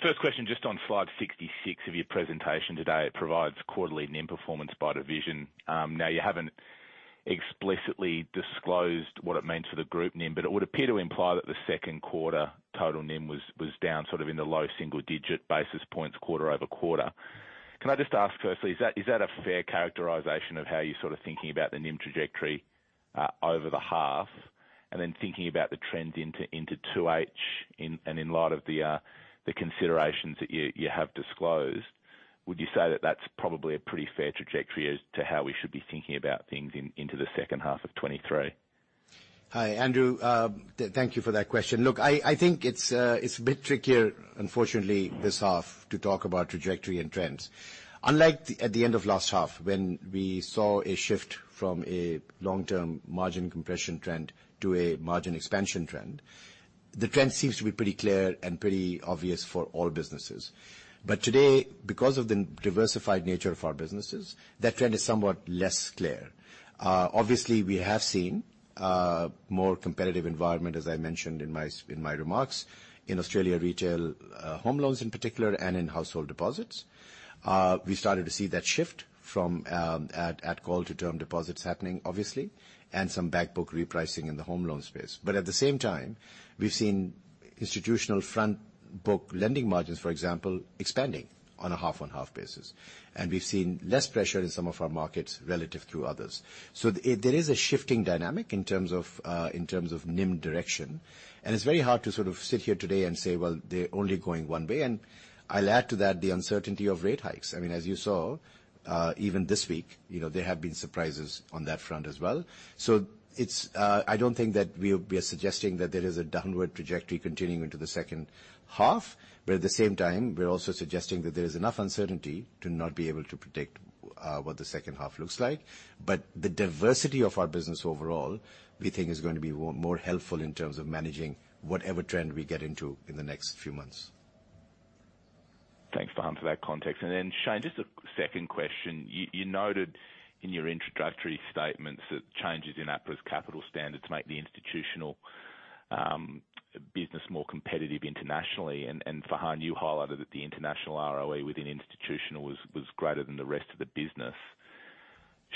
first question, just on slide 66 of your presentation today, it provides quarterly NIM performance by division. Now you haven't explicitly disclosed what it means for the group NIM, but it would appear to imply that the second quarter total NIM was down sort of in the low single-digit basis points quarter-over-quarter. Can I just ask firstly, is that a fair characterization of how you're sort of thinking about the NIM trajectory over the half? Then thinking about the trends into 2H, and in light of the considerations that you have disclosed, would you say that that's probably a pretty fair trajectory as to how we should be thinking about things in, into the second half of 2023? Hi, Andrew. Thank you for that question. Look, I think it's a bit trickier, unfortunately, this half to talk about trajectory and trends. Unlike at the end of last half when we saw a shift from a long-term margin compression trend to a margin expansion trend, the trend seems to be pretty clear and pretty obvious for all businesses. Today, because of the diversified nature of our businesses, that trend is somewhat less clear. Obviously, we have seen more competitive environment, as I mentioned in my remarks, in Australia retail, home loans in particular, and in household deposits. We started to see that shift from at call to term deposits happening, obviously, and some back book repricing in the home loan space. At the same time, we've seen institutional front book lending margins, for example, expanding on a half-on-half basis. We've seen less pressure in some of our markets relative to others. There is a shifting dynamic in terms of NIM direction, and it's very hard to sort of sit here today and say, "Well, they're only going one way." I'll add to that the uncertainty of rate hikes. I mean, as you saw, even this week, you know, there have been surprises on that front as well. It's, I don't think that we are suggesting that there is a downward trajectory continuing into the second half, but at the same time, we're also suggesting that there is enough uncertainty to not be able to predict what the second half looks like. The diversity of our business overall, we think is going to be more helpful in terms of managing whatever trend we get into in the next few months. Thanks, Farhan, for that context. Then Shayne, just a second question. You noted in your introductory statements that changes in APRA's capital standards make the institutional business more competitive internationally. Fahim, you highlighted that the international ROE within institutional was greater than the rest of the business.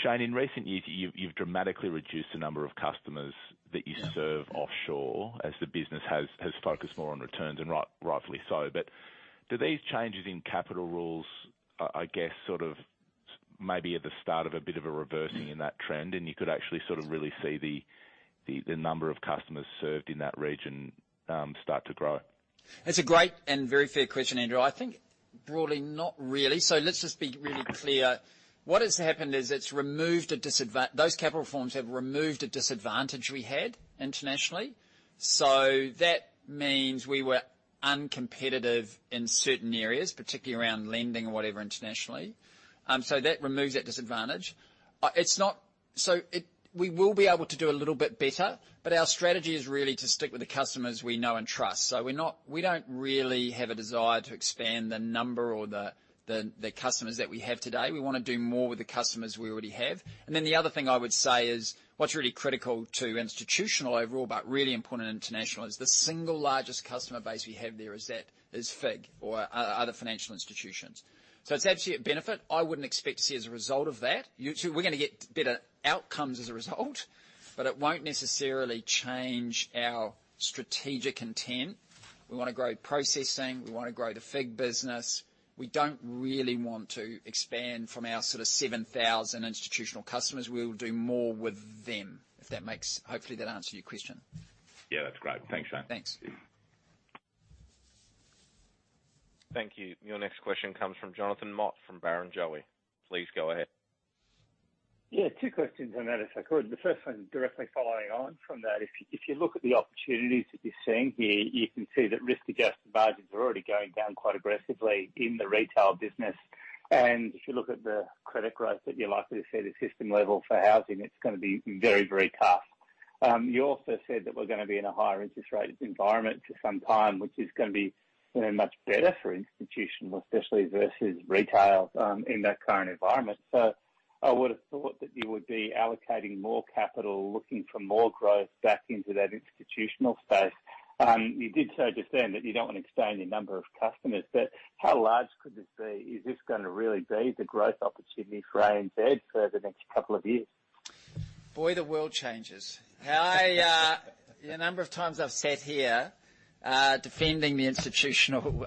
Shayne, in recent years, you've dramatically reduced the number of customers that you serve offshore as the business has focused more on returns, and rightfully so. Do these changes in capital rules, I guess, sort of maybe at the start of a bit of a reversing in that trend, and you could actually sort of really see the number of customers served in that region start to grow? It's a great and very fair question, Andrew. I think broadly, not really. Let's just be really clear. What has happened is those capital reforms have removed a disadvantage we had internationally. That means we were uncompetitive in certain areas, particularly around lending or whatever internationally. That removes that disadvantage. We will be able to do a little bit better, but our strategy is really to stick with the customers we know and trust. We don't really have a desire to expand the number or the, the customers that we have today. We wanna do more with the customers we already have. The other thing I would say is what's really critical to institutional overall, but really important international, is FIG or other financial institutions. It's actually a benefit. I wouldn't expect to see as a result of that. We're gonna get better outcomes as a result, but it won't necessarily change our strategic intent. We wanna grow processing. We wanna grow the FIG business. We don't really want to expand from our sort of 7,000 institutional customers. We will do more with them. Hopefully, that answers your question. Yeah, that's great. Thanks, Shayne. Thanks. Thank you. Your next question comes from Jonathan Mott from Barrenjoey. Please go ahead. Yeah, two questions on that, if I could. The first one directly following on from that. If you look at the opportunities that you're seeing here, you can see that risk-adjusted margins are already going down quite aggressively in the retail business. If you look at the credit growth that you're likely to see at a system level for housing, it's gonna be very, very tough. You also said that we're gonna be in a higher interest rate environment for some time, which is gonna be, you know, much better for institutional, especially versus retail, in that current environment. I would've thought that you would be allocating more capital, looking for more growth back into that institutional space. You did say just then that you don't wanna expand your number of customers, but how large could this be? Is this gonna really be the growth opportunity for ANZ for the next couple of years? Boy, the world changes. I. The number of times I've sat here defending the institutional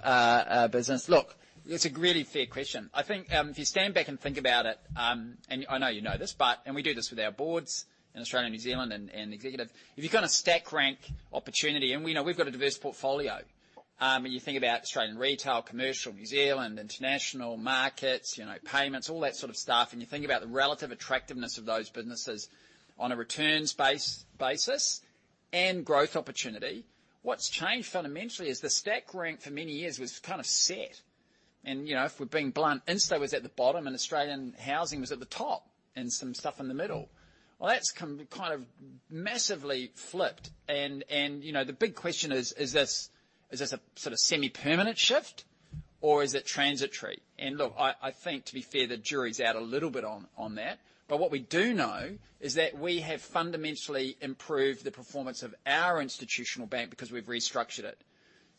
business. Look, it's a really fair question. I think, if you stand back and think about it, and I know you know this, and we do this with our boards in Australia, New Zealand and executive. If you kind of stack rank opportunity, and we know we've got a diverse portfolio. When you think about Australian retail, commercial, New Zealand, international, markets, you know, payments, all that sort of stuff, and you think about the relative attractiveness of those businesses on a returns basis and growth opportunity, what's changed fundamentally is the stack rank for many years was kind of set. You know, if we're being blunt, Insto was at the bottom and Australian housing was at the top, and some stuff in the middle. That's come kind of massively flipped and you know, the big question is this, is this a sort of semi-permanent shift or is it transitory? Look, I think to be fair, the jury's out a little bit on that. What we do know is that we have fundamentally improved the performance of our institutional bank because we've restructured it.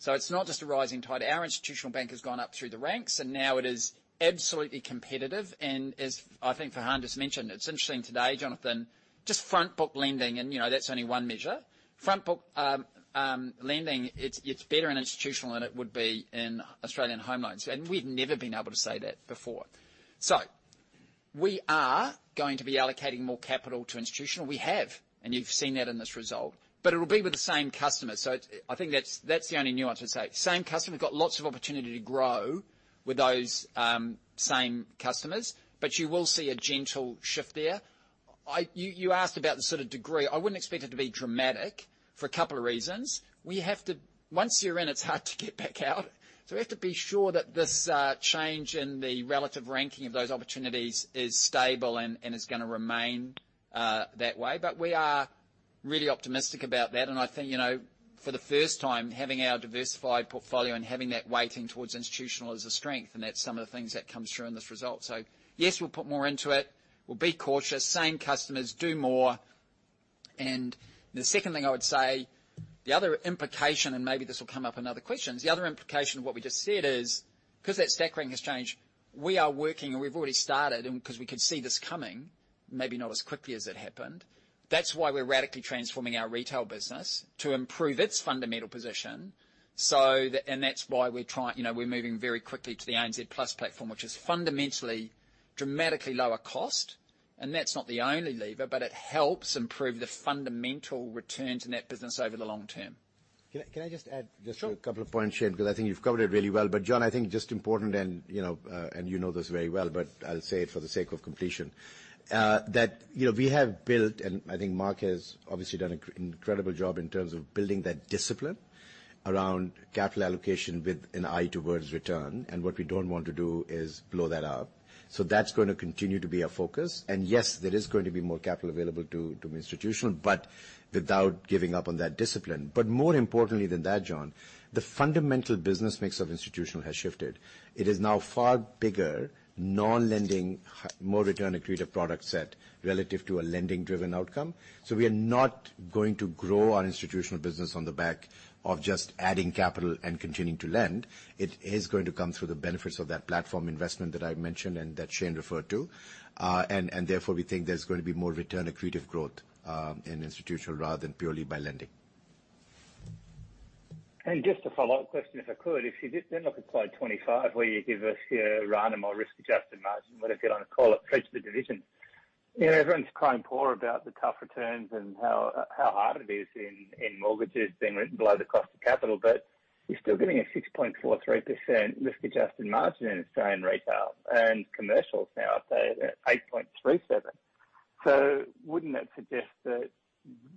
It's not just a rising tide. Our institutional bank has gone up through the ranks, and now it is absolutely competitive. As I think Farhan just mentioned, it's interesting today, Jonathan, just front book lending, and you know, that's only one measure. Front book lending, it's better in institutional than it would be in Australian home loans, and we've never been able to say that before. We are going to be allocating more capital to institutional. We have, and you've seen that in this result, but it'll be with the same customers. I think that's the only nuance I'd say. Same customer, we've got lots of opportunity to grow with those, same customers, but you will see a gentle shift there. You asked about the sort of degree, I wouldn't expect it to be dramatic for a couple of reasons. We have to... Once you're in, it's hard to get back out. We have to be sure that this change in the relative ranking of those opportunities is stable and is gonna remain that way. We are really optimistic about that. I think, you know, for the first time, having our diversified portfolio and having that weighting towards institutional is a strength, and that's some of the things that comes through in this result. Yes, we'll put more into it. We'll be cautious. Same customers, do more. The second thing I would say, the other implication, and maybe this will come up in other questions. The other implication of what we just said is, 'cause that stack ranking has changed, we are working and we've already started, and 'cause we could see this coming, maybe not as quickly as it happened. That's why we're radically transforming our retail business to improve its fundamental position. That's why we're you know, we're moving very quickly to the ANZ Plus platform, which is fundamentally dramatically lower cost. That's not the only lever, but it helps improve the fundamental return to net business over the long term. Can I just add-. Sure. Just a couple of points, Shayne, because I think you've covered it really well. John, I think just important and, you know, and you know this very well, but I'll say it for the sake of completion. That, you know, we have built, I think Mark has obviously done an incredible job in terms of building that discipline around capital allocation with an eye towards return. What we don't want to do is blow that out. That's gonna continue to be our focus. Yes, there is going to be more capital available to institutional, but without giving up on that discipline. More importantly than that, John, the fundamental business mix of institutional has shifted. It is now far bigger, non-lending, more return accretive product set relative to a lending-driven outcome. We are not going to grow our institutional business on the back of just adding capital and continuing to lend. It is going to come through the benefits of that platform investment that I mentioned and that Shayne referred to. And therefore, we think there's gonna be more return accretive growth in institutional rather than purely by lending. Just a follow-up question, if I could. If you did then look at slide 25 where you give us your random or risk-adjusted margin, whatever you wanna call it, for each of the divisions. You know, everyone's crying poor about the tough returns and how hard it is in mortgages being written below the cost of capital. You're still getting a 6.43% risk-adjusted margin in Australian Retail and Commercial is now up to 8.37%. Wouldn't that suggest that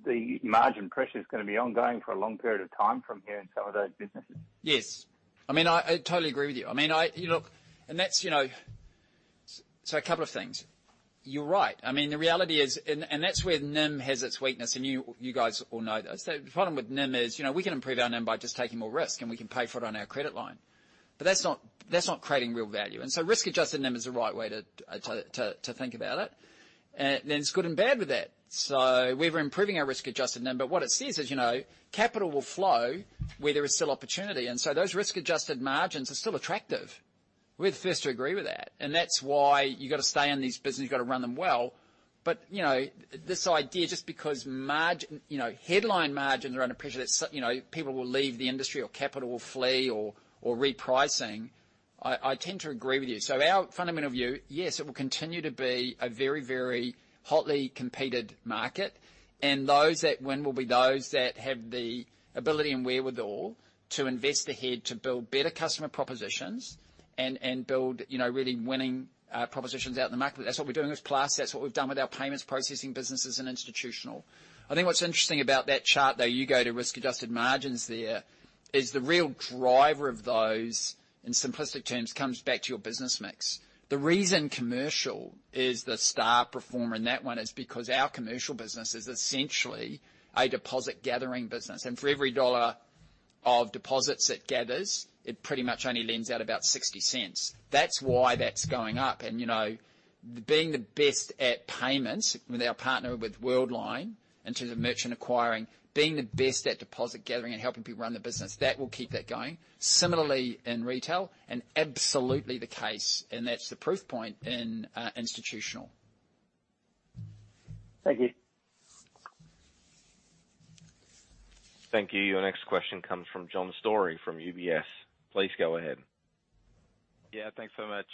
the margin pressure is gonna be ongoing for a long period of time from here in some of those businesses? Yes. I mean, I totally agree with you. I mean, I. You know, and that's, you know. A couple of things. You're right. I mean, the reality is. That's where NIM has its weakness, and you guys all know this. The problem with NIM is, you know, we can improve our NIM by just taking more risk, and we can pay for it on our credit line. That's not, that's not creating real value. Risk-adjusted NIM is the right way to think about it. There's good and bad with that. We're improving our risk-adjusted NIM, but what it says is, you know, capital will flow where there is still opportunity. Those risk-adjusted margins are still attractive. We're the first to agree with that. That's why you gotta stay in these business, you gotta run them well. You know, this idea just because margin, you know, headline margins are under pressure, that's, you know, people will leave the industry or capital will flee or repricing, I tend to agree with you. Our fundamental view, yes, it will continue to be a very, very hotly competed market, and those that win will be those that have the ability and wherewithal to invest ahead, to build better customer propositions and build, you know, really winning propositions out in the market. That's what we're doing with Plus, that's what we've done with our payments processing businesses in Institutional. I think what's interesting about that chart, though, you go to risk-adjusted margins there, is the real driver of those, in simplistic terms, comes back to your business mix. The reason Commercial is the star performer in that one is because our commercial business is essentially a deposit gathering business. For every AUD of deposits it gathers, it pretty much only lends out about 0.60. That's why that's going up. You know, being the best at payments with our partner with Worldline, in terms of merchant acquiring, being the best at deposit gathering and helping people run their business, that will keep that going. Similarly, in Retail, and absolutely the case, and that's the proof point in Institutional. Thank you. Thank you. Your next question comes from John Storey from UBS. Please go ahead. Yeah, thanks so much.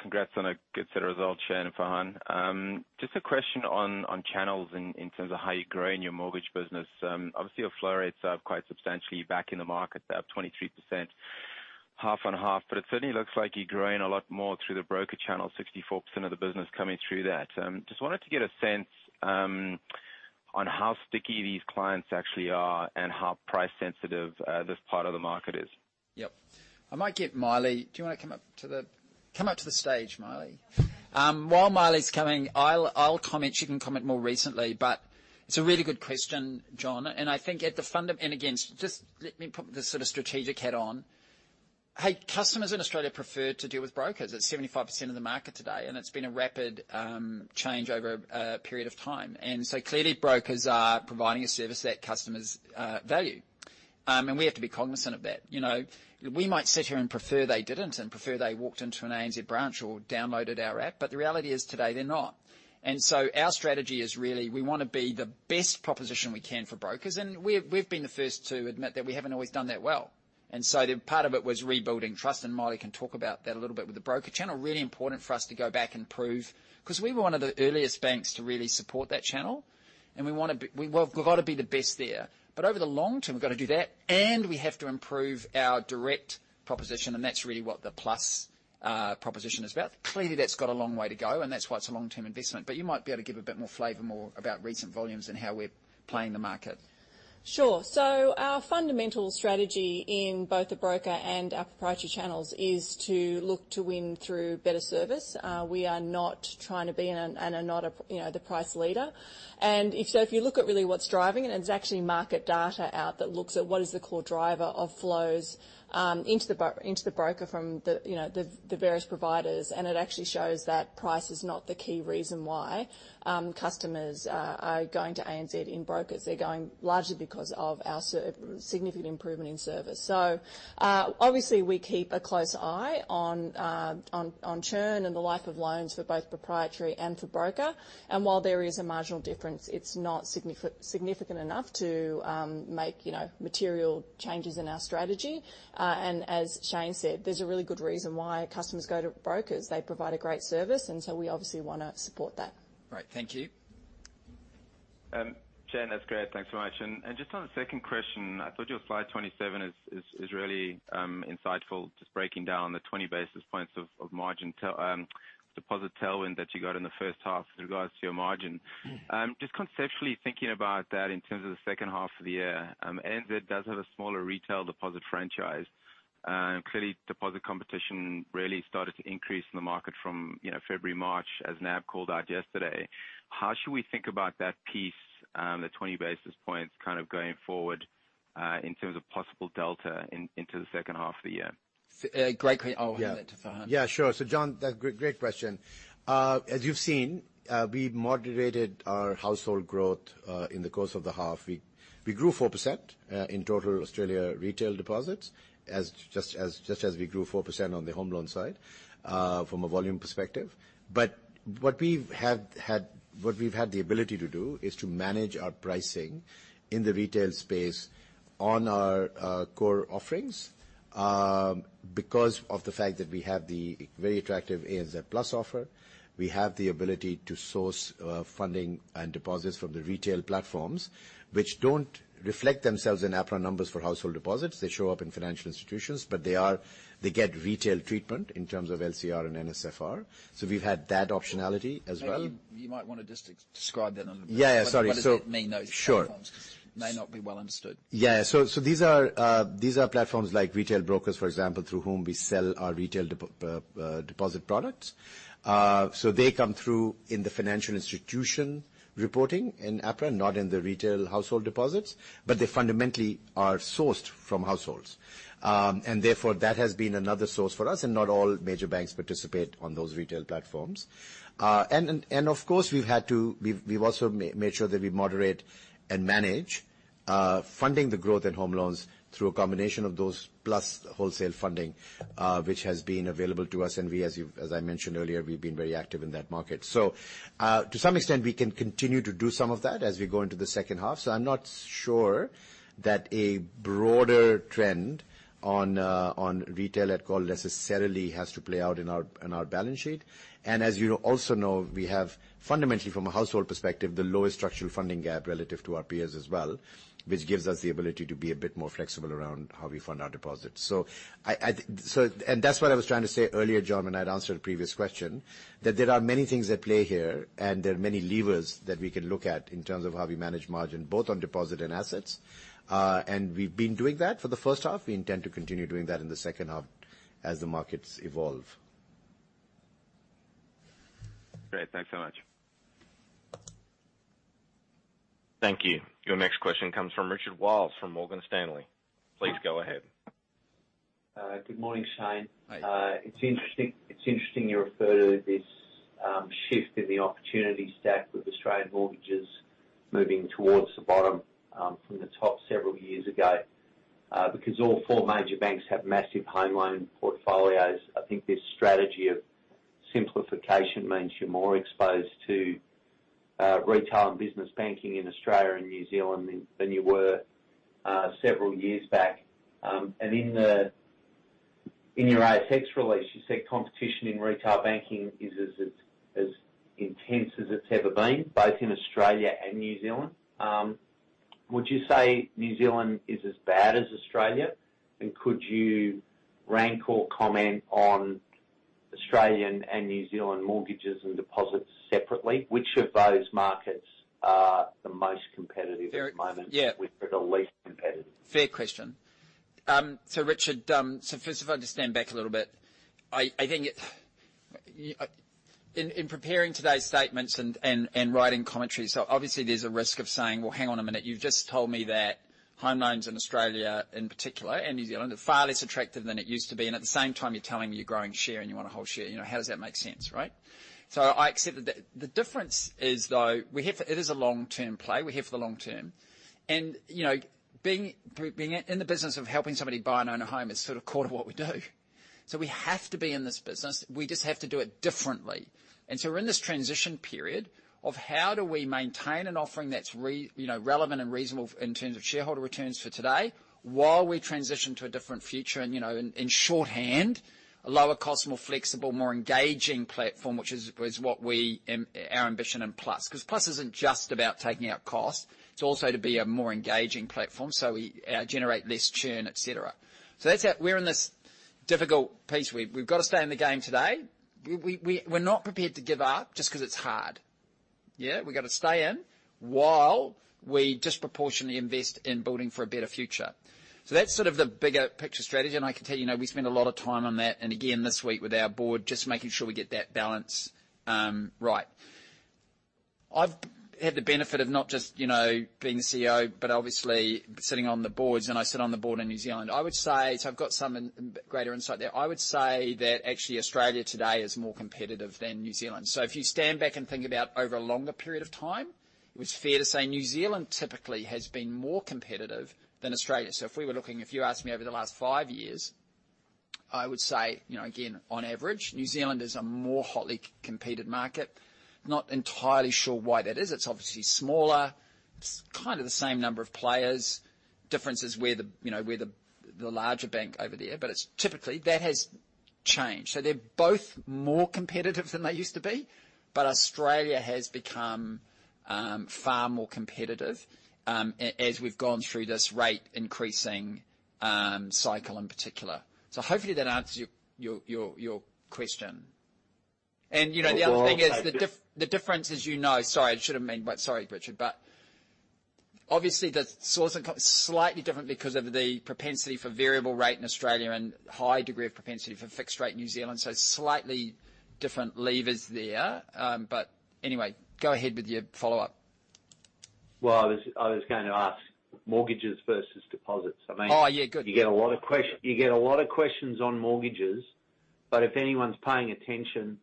Congrats on a good set of results, Shayne and Farhan. Just a question on channels in terms of how you're growing your mortgage business. Obviously your flow rates are up quite substantially back in the market, they're up 23%, half on half. It certainly looks like you're growing a lot more through the broker channel, 64% of the business coming through that. Just wanted to get a sense on how sticky these clients actually are and how price sensitive this part of the market is. Yep. I might get Maile. Do you wanna come up to the stage, Maile. While Maile's coming, I'll comment. She can comment more recently. It's a really good question, John, I think at the and again, just let me put the sort of strategic hat on. Hey, customers in Australia prefer to deal with brokers. It's 75% of the market today, and it's been a rapid change over a period of time. Clearly brokers are providing a service that customers value. We have to be cognizant of that. You know, we might sit here and prefer they didn't, and prefer they walked into an ANZ branch or downloaded our app, but the reality is today they're not. Our strategy is really, we wanna be the best proposition we can for brokers. We've been the first to admit that we haven't always done that well. The part of it was rebuilding trust, and Maile can talk about that a little bit with the broker channel. Really important for us to go back and prove, 'cause we were one of the earliest banks to really support that channel, and we've gotta be the best there. Over the long term, we've gotta do that, and we have to improve our direct proposition, and that's really what the Plus proposition is about. Clearly, that's got a long way to go, and that's why it's a long-term investment, you might be able to give a bit more flavor more about recent volumes and how we're playing the market. Sure. Our fundamental strategy in both the broker and our proprietary channels is to look to win through better service. We are not trying to be in and are not a, you know, the price leader. If, so, if you look at really what's driving it, and there's actually market data out that looks at what is the core driver of flows, into the broker from the, you know, the various providers, it actually shows that price is not the key reason why customers are going to ANZ in brokers. They're going largely because of our significant improvement in service. Obviously we keep a close eye on churn and the life of loans for both proprietary and for broker. While there is a marginal difference, it's not significant enough to make, you know, material changes in our strategy. As Shayne said, there's a really good reason why customers go to brokers. They provide a great service, and so we obviously wanna support that. Great. Thank you. Shayne, that's great. Thanks so much. Just on the second question, I thought your slide 27 is really insightful, just breaking down the 20 basis points of margin tail, deposit tailwind that you got in the first half with regards to your margin. Mm-hmm. Just conceptually thinking about that in terms of the second half of the year, ANZ does have a smaller retail deposit franchise. Clearly deposit competition really started to increase in the market from, you know, February, March, as NAB called out yesterday. How should we think about that piece, the 20 basis points kind of going forward, in terms of possible delta in, into the second half of the year? Great, I'll hand it to Farhan. Yeah. Yeah, sure. John, great question. As you've seen, we moderated our household growth in the course of the half. We grew 4% in total Australia retail deposits, as we grew 4% on the home loan side from a volume perspective. What we've had the ability to do is to manage our pricing in the retail space on our core offerings. Because of the fact that we have the very attractive ANZ Plus offer, we have the ability to source funding and deposits from the retail platforms, which don't reflect themselves in APRA numbers for household deposits. They show up in financial institutions, they get retail treatment in terms of LCR and NSFR. We've had that optionality as well. Maybe you might wanna just describe that a little bit. Yeah, yeah. Sorry. What does it mean, those platforms? Sure. May not be well understood. These are platforms like retail brokers, for example, through whom we sell our retail deposit products. They come through in the financial institution reporting in APRA, not in the retail household deposits, but they fundamentally are sourced from households. Therefore, that has been another source for us, and not all major banks participate on those retail platforms. Of course, we've also made sure that we moderate and manage funding the growth in home loans through a combination of those, plus wholesale funding, which has been available to us. We, as you've, as I mentioned earlier, we've been very active in that market. To some extent, we can continue to do some of that as we go into the second half. I'm not sure that a broader trend on retail at call necessarily has to play out in our, in our balance sheet. As you also know, we have fundamentally from a household perspective, the lowest structural funding gap relative to our peers as well, which gives us the ability to be a bit more flexible around how we fund our deposits. That's what I was trying to say earlier, John, when I had answered a previous question, that there are many things at play here, and there are many levers that we can look at in terms of how we manage margin, both on deposit and assets. We've been doing that for the first half. We intend to continue doing that in the second half as the markets evolve. Great. Thanks so much. Thank you. Your next question comes from Richard Wiles from Morgan Stanley. Please go ahead. Good morning, Shayne. Hi. It's interesting you refer to this shift in the opportunity stack with Australian mortgages moving towards the bottom from the top several years ago. Because all four major banks have massive home loan portfolios, I think this strategy of simplification means you're more exposed to retail and business banking in Australia and New Zealand than you were several years back. In the, in your ATX release, you said competition in retail banking is as intense as it's ever been, both in Australia and New Zealand. Would you say New Zealand is as bad as Australia? Could you rank or comment on Australian and New Zealand mortgages and deposits separately? Which of those markets are the most competitive? Very- At the moment? Yeah. Which are the least competitive? Fair question. Richard, first if I understand back a little bit, I think it. In preparing today's statements and writing commentary, obviously there's a risk of saying, "Well, hang on a minute, you've just told me that home loans in Australia in particular, and New Zealand, are far less attractive than it used to be. At the same time, you're telling me you're growing share and you wanna hold share. You know, how does that make sense, right?" I accept that. The difference is, though, we're here for. It is a long-term play. We're here for the long term. You know, being in the business of helping somebody buy and own a home is sort of core to what we do. We have to be in this business. We just have to do it differently. We're in this transition period of how do we maintain an offering that's you know, relevant and reasonable in terms of shareholder returns for today while we transition to a different future. You know, in shorthand, a lower cost, more flexible, more engaging platform, which is Our ambition in Plus. 'Cause Plus isn't just about taking out cost, it's also to be a more engaging platform, so we generate less churn, et cetera. That's how we're in this difficult piece. We've got to stay in the game today. We're not prepared to give up just 'cause it's hard. Yeah. We've got to stay in while we disproportionately invest in building for a better future. That's sort of the bigger picture strategy. I can tell you know, we spend a lot of time on that, and again, this week with our board, just making sure we get that balance right. I've had the benefit of not just, you know, being the CEO, but obviously sitting on the boards, and I sit on the board in New Zealand. I would say, I've got some greater insight there. I would say that actually Australia today is more competitive than New Zealand. If you stand back and think about over a longer period of time, it was fair to say New Zealand typically has been more competitive than Australia. If we were looking, if you asked me over the last 5 years, I would say, you know, again, on average, New Zealand is a more hotly competed market. Not entirely sure why that is. It's obviously smaller, it's kind of the same number of players. Difference is where the, you know, where the larger bank over there, but it's typically that has changed. They're both more competitive than they used to be, but Australia has become far more competitive as we've gone through this rate increasing cycle in particular. Hopefully that answers your question. You know, the other thing is- Well. The difference, as you know. Sorry, I should have maybe. Sorry, Richard. Obviously, the source of slightly different because of the propensity for variable rate in Australia and high degree of propensity for fixed rate in New Zealand, so slightly different levers there. Anyway, go ahead with your follow-up. Well, I was going to ask mortgages versus deposits. Oh, yeah. Good.... you get a lot of questions on mortgages, but if anyone's paying attention,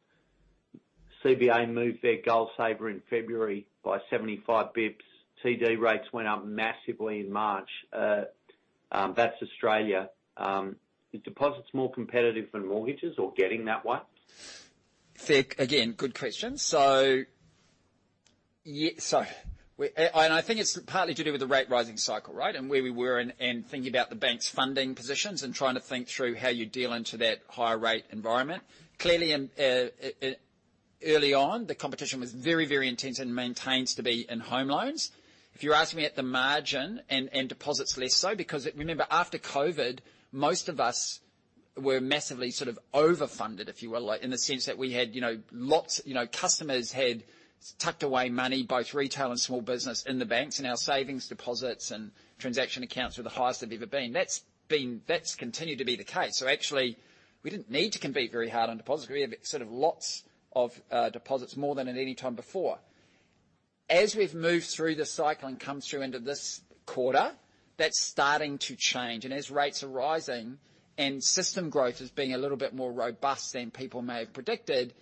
CBA moved their GoalSaver in February by 75 basis points. TD rates went up massively in March. That's Australia. Are deposits more competitive than mortgages or getting that way? Fair. Again, good question. Yeah, I think it's partly to do with the rate-rising cycle, right? Where we were and thinking about the bank's funding positions and trying to think through how you deal into that higher rate environment. Clearly in early on, the competition was very, very intense and maintains to be in home loans. If you're asking me at the margin and deposits less so, because remember, after COVID, most of us were massively sort of overfunded, if you will, like, in the sense that we had, you know, lots, you know, customers had tucked away money, both retail and small business, in the banks. Our savings deposits and transaction accounts were the highest they've ever been. That's continued to be the case. Actually, we didn't need to compete very hard on deposits. We have sort of lots of deposits, more than at any time before. As we've moved through the cycle and come through into this quarter, that's starting to change. As rates are rising and system growth is being a little bit more robust than people may have predicted,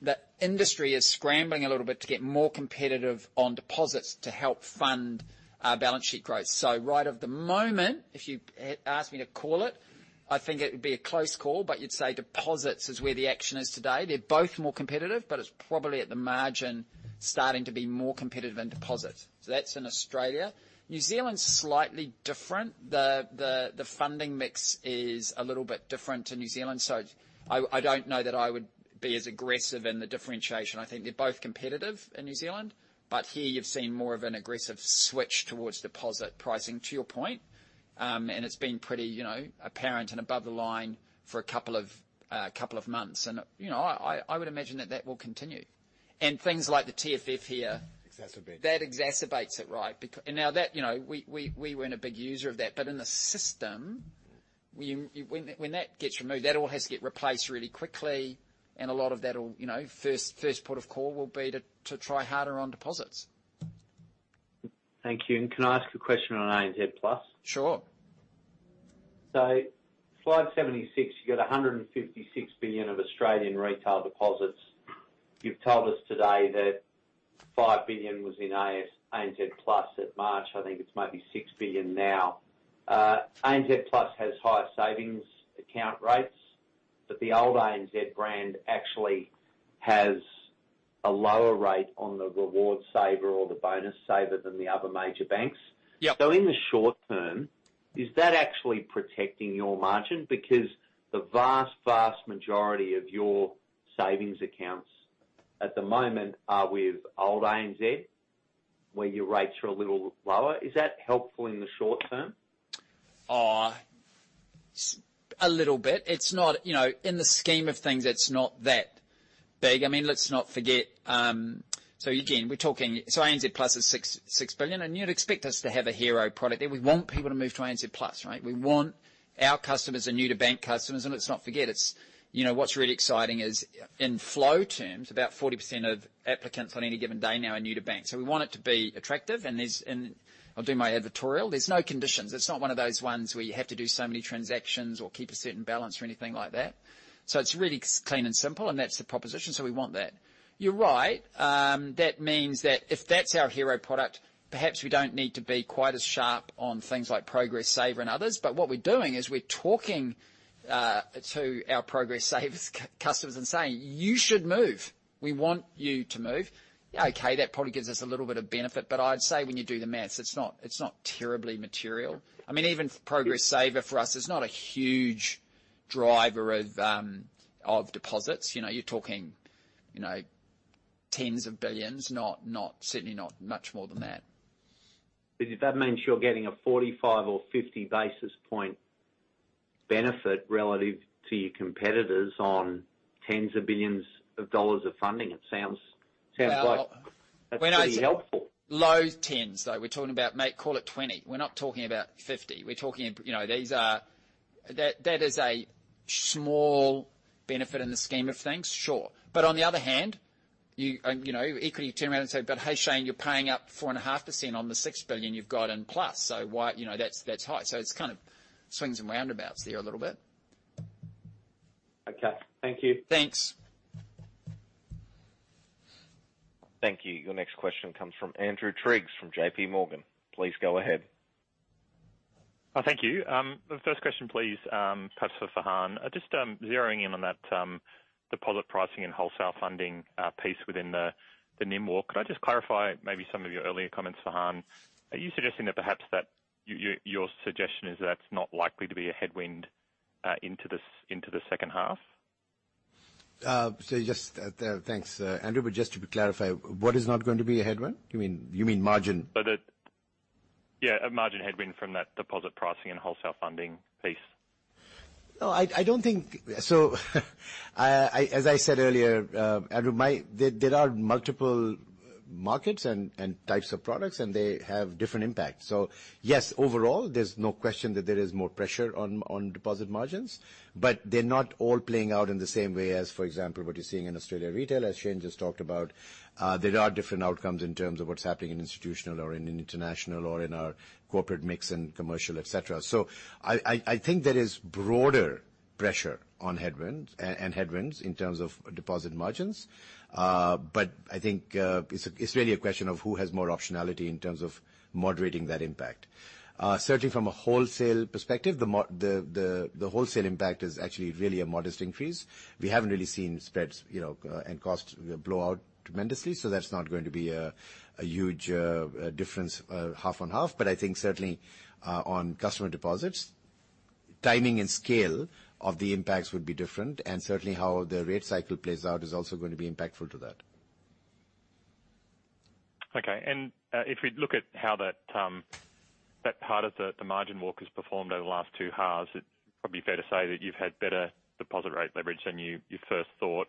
the industry is scrambling a little bit to get more competitive on deposits to help fund our balance sheet growth. Right of the moment, if you ask me to call it, I think it would be a close call, but you'd say deposits is where the action is today. They're both more competitive, but it's probably at the margin starting to be more competitive than deposits. That's in Australia. New Zealand's slightly different. The funding mix is a little bit different to New Zealand. I don't know that I would be as aggressive in the differentiation. I think they're both competitive in New Zealand, but here you've seen more of an aggressive switch towards deposit pricing to your point. It's been pretty, you know, apparent and above the line for a couple of months. You know, I would imagine that that will continue. Things like the TFF here- Exacerbate. That exacerbates it, right. Now that, you know, we weren't a big user of that, but in the system, when that gets removed, that all has to get replaced really quickly, and a lot of that all, you know, first port of call will be to try harder on deposits. Thank you. Can I ask a question on ANZ Plus? Sure. Slide 76, you got 156 billion of Australian retail deposits. You've told us today that 5 billion was in ANZ Plus at March. I think it's maybe 6 billion now. ANZ Plus has higher savings account rates, but the old ANZ brand actually has a lower rate on the reward saver or the bonus saver than the other major banks. Yeah. In the short term, is that actually protecting your margin? Because the vast majority of your savings accounts at the moment are with old ANZ, where your rates are a little lower. Is that helpful in the short term? A little bit. It's not, you know, in the scheme of things, it's not that big. I mean, let's not forget, ANZ Plus is 6 billion, and you'd expect us to have a hero product there. We want people to move to ANZ Plus, right? We want our customers and new-to-bank customers, and let's not forget, it's, you know, what's really exciting is in flow terms, about 40% of applicants on any given day now are new to bank. We want it to be attractive and I'll do my advertorial. There's no conditions. It's not one of those ones where you have to do so many transactions or keep a certain balance or anything like that. It's really clean and simple, and that's the proposition, so we want that. You're right. That means that if that's our hero product, perhaps we don't need to be quite as sharp on things like Progress Saver and others. What we're doing is we're talking to our Progress Savers customers and saying, "You should move. We want you to move." Okay, that probably gives us a little bit of benefit. I'd say when you do the math, it's not terribly material. I mean, even Progress Saver for us is not a huge driver of deposits. You know, you're talking, you know, tens of billions, not certainly not much more than that. If that means you're getting a 45 basis point or 50 basis point benefit relative to your competitors on tens of billions of dollars of funding, it sounds like. Well, when I- That's pretty helpful. Low tens, though. We're talking about may call it 20. We're not talking about 50. We're talking, you know, these are... That is a small benefit in the scheme of things, sure. On the other hand, you know, equity turn around and say, "But hey, Shane, you're paying up 4.5% on the 6 billion you've got in Plus." Why? You know, that's high. It's kind of swings and roundabouts there a little bit. Okay. Thank you. Thanks. Thank you. Your next question comes from Andrew Triggs from JPMorgan. Please go ahead. Thank you. The first question, please, perhaps for Farhan. Just zeroing in on that deposit pricing and wholesale funding piece within the NIM walk. Could I just clarify maybe some of your earlier comments, Farhan? Are you suggesting that perhaps your suggestion is that's not likely to be a headwind into the second half? Just, there, thanks, Andrew. Just to clarify, what is not going to be a headwind? You mean margin? Yeah, a margin headwind from that deposit pricing and wholesale funding piece. No, I don't think... I, as I said earlier, Andrew, my... There, there are multiple markets and types of products, and they have different impacts. Yes, overall, there's no question that there is more pressure on deposit margins, but they're not all playing out in the same way as, for example, what you're seeing in Australian Retail, as Shayne just talked about. There are different outcomes in terms of what's happening in institutional or in international or in our corporate mix and commercial, et cetera. I, I think there is broader pressure on headwind and headwinds in terms of deposit margins. But I think, it's really a question of who has more optionality in terms of moderating that impact. Certainly from a wholesale perspective, the wholesale impact is actually really a modest increase. We haven't really seen spreads, you know, and costs blow out tremendously, so that's not going to be a huge difference half on half. I think certainly on customer deposits, timing and scale of the impacts would be different, and certainly how the rate cycle plays out is also going to be impactful to that. Okay. If we look at how that part of the margin walk has performed over the last two halves, it's probably fair to say that you've had better deposit rate leverage than you first thought.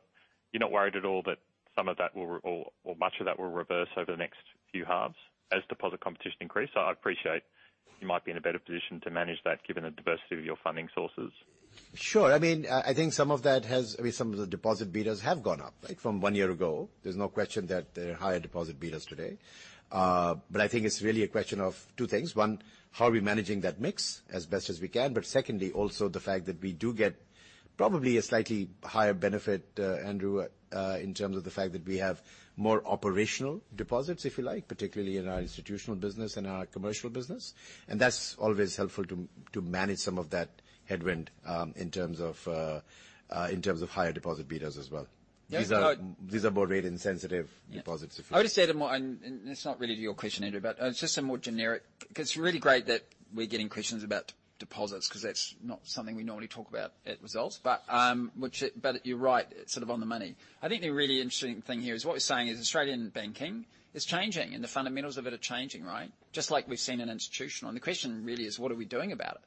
You're not worried at all that some of that will, or much of that will reverse over the next few halves as deposit competition increase? I appreciate you might be in a better position to manage that given the diversity of your funding sources. Sure. I mean, some of the deposit betas have gone up, like from one year ago. There's no question that there are higher deposit betas today. I think it's really a question of two things. One, how are we managing that mix as best as we can. Secondly, also the fact that we do get probably a slightly higher benefit, Andrew, in terms of the fact that we have more operational deposits, if you like, particularly in our institutional business and our commercial business, and that's always helpful to manage some of that headwind, in terms of higher deposit betas as well. Yeah. These are more rate insensitive deposits, if you like. I would say the more... It's not really to your question, Andrew, but it's just a more generic... 'Cause it's really great that we're getting questions about deposits because It's not something we normally talk about at results, but you're right, sort of on the money. I think the really interesting thing here is what we're saying is Australian banking is changing, and the fundamentals of it are changing, right? Just like we've seen in Institutional. The question really is what are we doing about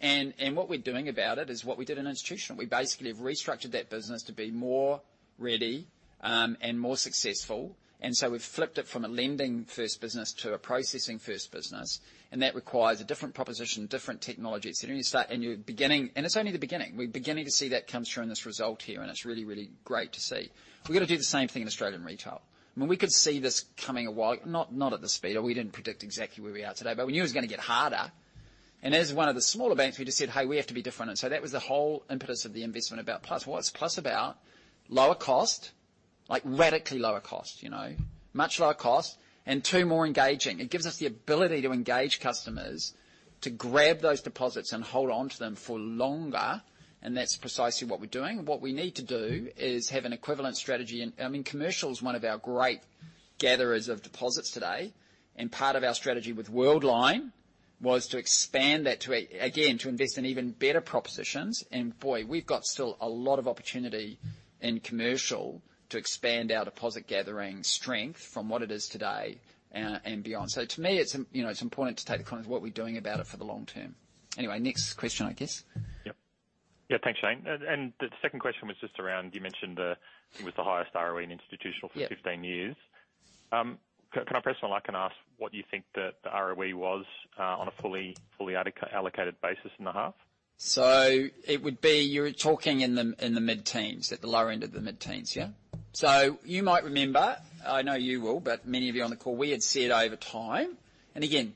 it? What we're doing about it is what we did in Institutional. We basically have restructured that business to be more ready and more successful, so we've flipped it from a lending-first business to a processing-first business, and that requires a different proposition, different technologies. You're beginning. It's only the beginning. We're beginning to see that come through in this result here, and it's really, really great to see. We've got to do the same thing in Australian Retail. I mean, we could see this coming a while, not at the speed, or we didn't predict exactly where we are today, but we knew it was going to get harder. As one of the smaller banks, we just said, "Hey, we have to be different." That was the whole impetus of the investment about Plus. What's Plus about? Lower cost, like radically lower cost, you know, much lower cost. Two, more engaging. It gives us the ability to engage customers to grab those deposits and hold on to them for longer, and that's precisely what we're doing. What we need to do is have an equivalent strategy in. I mean, commercial is one of our great gatherers of deposits today. Part of our strategy with Worldline was to expand that to a, again, to invest in even better propositions. Boy, we've got still a lot of opportunity in commercial to expand our deposit gathering strength from what it is today, and beyond. To me, it's you know, it's important to take the clients what we're doing about it for the long term. Anyway, next question, I guess. Yep. Yeah, thanks, Shayne. The second question was just around, you mentioned, it was the highest ROE in Institutional-. Yeah. for 15 years. Can I press on that and ask what you think the ROE was on a fully allocated basis in the half? It would be you're talking in the mid-teens, at the lower end of the mid-teens. Yeah? You might remember, I know you will, but many of you on the call, we had said over time, and again,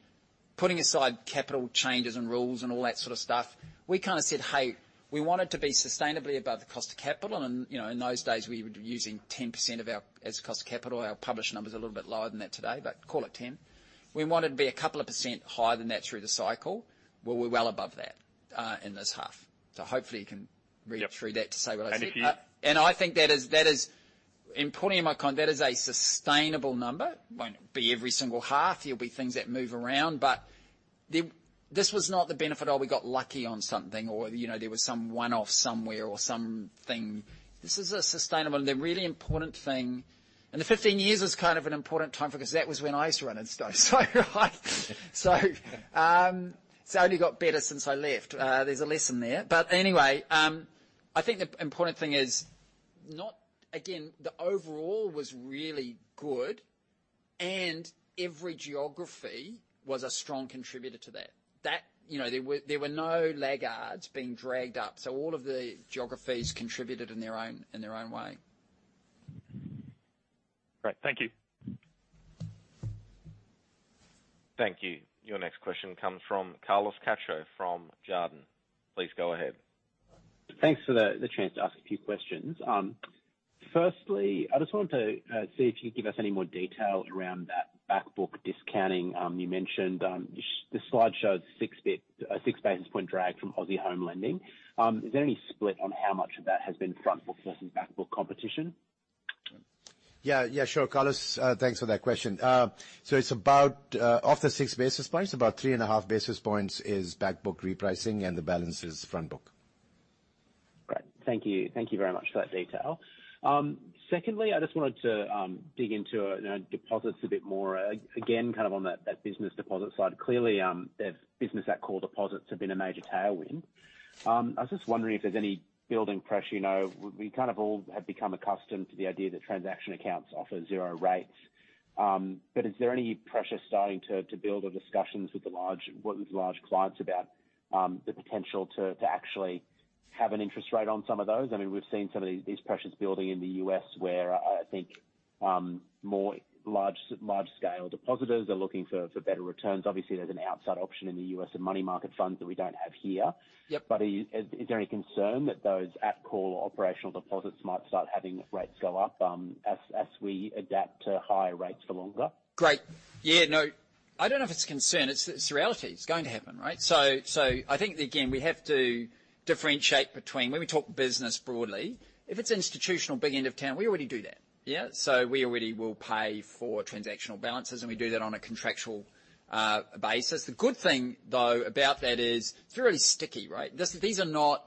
putting aside capital changes and rules and all that sort of stuff, we kind of said, "Hey, we want it to be sustainably above the cost of capital." You know, in those days, we would be using 10% of our as cost of capital. Our published number is a little bit lower than that today, but call it 10%. We want it to be a couple of percent higher than that through the cycle, where we're well above that in this half. Hopefully you can. Yep. Though that to say what I said. And if you- I think that is. Putting in my con, that is a sustainable number. Won't be every single half. There'll be things that move around. This was not the benefit, oh, we got lucky on something or, you know, there was some one-off somewhere or something. This is a sustainable. The really important thing. The 15 years is kind of an important time frame because that was when I used to run it, so it's only got better since I left. There's a lesson there. Anyway, I think the important thing is not. Again, the overall was really good, and every geography was a strong contributor to that. You know, there were no laggards being dragged up, so all of the geographies contributed in their own, in their own way. Great. Thank you. Thank you. Your next question comes from Carlos Cacho from Jarden. Please go ahead. Thanks for the chance to ask a few questions. Firstly, I just wanted to see if you could give us any more detail around that back book discounting. You mentioned the slide shows 6 basis point drag from Aussie Home Lending. Is there any split on how much of that has been front book versus back book competition? Yeah. Yeah, sure. Carlos, thanks for that question. It's about, of the 6 basis points, about 3.5 basis points is back book repricing, and the balance is front book. Great. Thank you. Thank you very much for that detail. Secondly, I just wanted to, you know, dig into deposits a bit more. Again, kind of on that business deposit side. Clearly, their business at core deposits have been a major tailwind. I was just wondering if there's any building pressure. You know, we kind of all have become accustomed to the idea that transaction accounts offer zero rates. Is there any pressure starting to build or discussions with large clients about the potential to actually have an interest rate on some of those? I mean, we've seen some of these pressures building in the U.S. where I think more large scale depositors are looking for better returns. Obviously, there's an outside option in the U.S. and money market funds that we don't have here. Yep. Is there any concern that those at call operational deposits might start having rates go up, as we adapt to higher rates for longer? Great. Yeah, no, I don't know if it's a concern. It's, it's reality. It's going to happen, right? I think that, again, we have to differentiate between when we talk business broadly, if it's institutional big end of town, we already do that. Yeah? We already will pay for transactional balances, and we do that on a contractual basis. The good thing, though, about that is it's really sticky, right? These are not,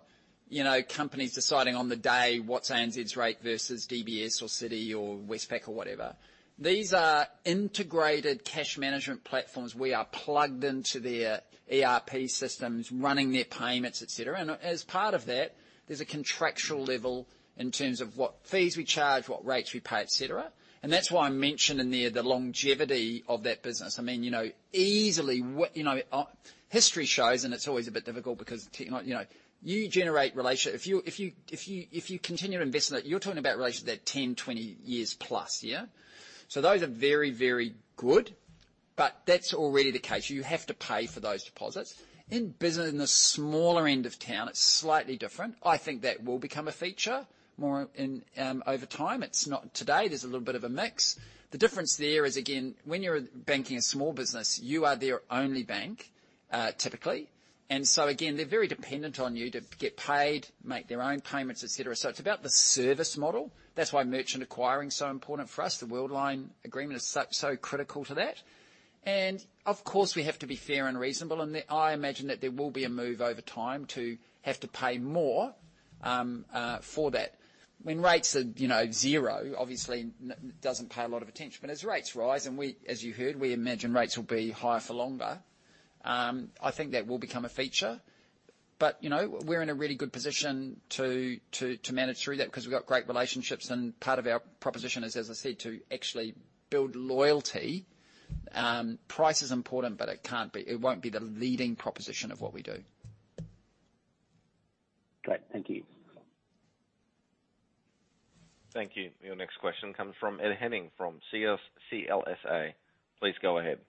you know, companies deciding on the day what's ANZ's rate versus DBS or Citi or Westpac or whatever. These are integrated cash management platforms. We are plugged into their ERP systems, running their payments, et cetera. As part of that, there's a contractual level in terms of what fees we charge, what rates we pay, et cetera. That's why I mentioned in there the longevity of that business. I mean, you know, easily what, you know, history shows. It's always a bit difficult because you know, you generate relationship. If you continue to invest in it, you're talking about relationships that are 10, 20 years plus. Yeah? Those are very, very good, but that's already the case. You have to pay for those deposits. In business, in the smaller end of town, it's slightly different. I think that will become a feature more in over time. It's not today. There's a little bit of a mix. The difference there is, again, when you're banking a small business, you are their only bank, typically. Again, they're very dependent on you to get paid, make their own payments, et cetera. It's about the service model. That's why merchant acquiring is so important for us. The Worldline agreement is such, so critical to that. Of course, we have to be fair and reasonable, and I imagine that there will be a move over time to have to pay more for that. When rates are, you know, zero, obviously doesn't pay a lot of attention. As rates rise, and we, as you heard, we imagine rates will be higher for longer, I think that will become a feature. You know, we're in a really good position to manage through that because we've got great relationships, and part of our proposition is, as I said, to actually build loyalty. Price is important, but it won't be the leading proposition of what we do. Great. Thank you. Thank you. Your next question comes from Ed Henning from CLSA. Please go ahead.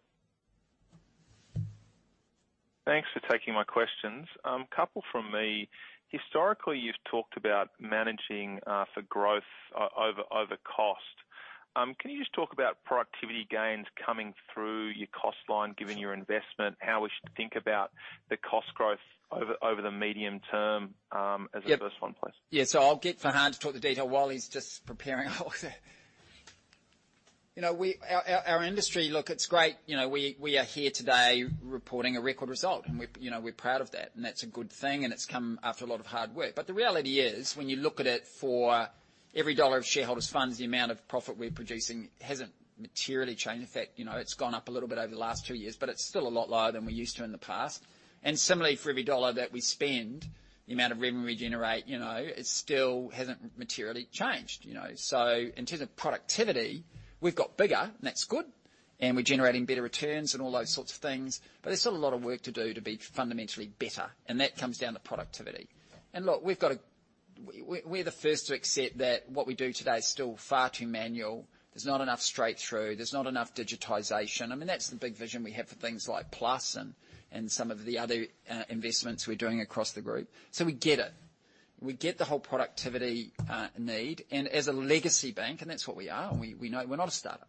Thanks for taking my questions. A couple from me. Historically, you've talked about managing for growth over cost. Can you just talk about productivity gains coming through your cost line, given your investment, how we should think about the cost growth over the medium term, as the first one, please? I'll get Farhan to talk the detail. While he's just preparing all of that, you know, we, our industry, look, it's great. You know, we are here today reporting a record result. You know, we're proud of that, and that's a good thing. It's come after a lot of hard work. The reality is, when you look at it for every AUD 1 of shareholders funds, the amount of profit we're producing hasn't materially changed. In fact, you know, it's gone up a little bit over the last two years, but it's still a lot lower than we're used to in the past. Similarly, for every AUD 1 that we spend, the amount of revenue we generate, you know, it still hasn't materially changed, you know? In terms of productivity, we've got bigger, and that's good. We're generating better returns and all those sorts of things. There's still a lot of work to do to be fundamentally better, and that comes down to productivity. Look, we're the first to accept that what we do today is still far too manual. There's not enough straight through. There's not enough digitization. I mean, that's the big vision we have for things like Plus and some of the other investments we're doing across the group. We get it. We get the whole productivity need. As a legacy bank, and that's what we are, and we know we're not a startup.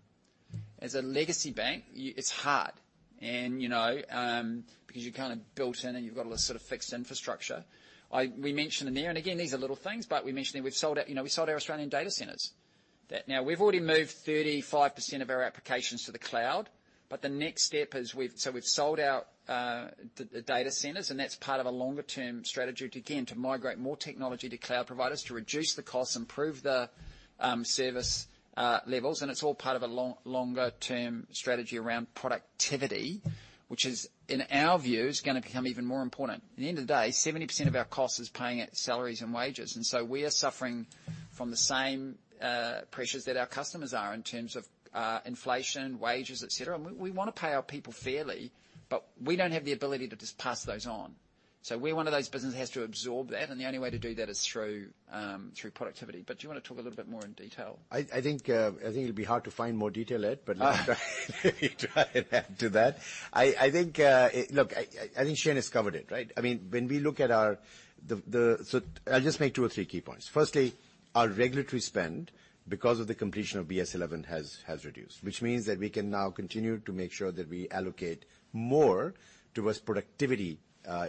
As a legacy bank, it's hard. You know, because you're kind of built in and you've got all this sort of fixed infrastructure. We mentioned in there, Again, these are little things, but we mentioned that we've sold our, you know, we sold our Australian data centers. Now we've already moved 35% of our applications to the cloud. The next step is So we've sold our the data centers, and that's part of a longer-term strategy to, again, to migrate more technology to cloud providers, to reduce the costs, improve the service levels. It's all part of a long-longer-term strategy around productivity, which is, in our view, is gonna become even more important. At the end of the day, 70% of our cost is paying out salaries and wages. We are suffering from the same pressures that our customers are in terms of inflation, wages, et cetera. We wanna pay our people fairly, but we don't have the ability to just pass those on. We're one of those businesses that has to absorb that, and the only way to do that is through productivity. Do you want to talk a little bit more in detail? I think it'll be hard to find more detail, Ed, but let me try and add to that. I think, look, I think Shayne has covered it, right? I mean, when we look at our. I'll just make two or three key points. Firstly, our regulatory spend, because of the completion of BS11, has reduced. Which means that we can now continue to make sure that we allocate more towards productivity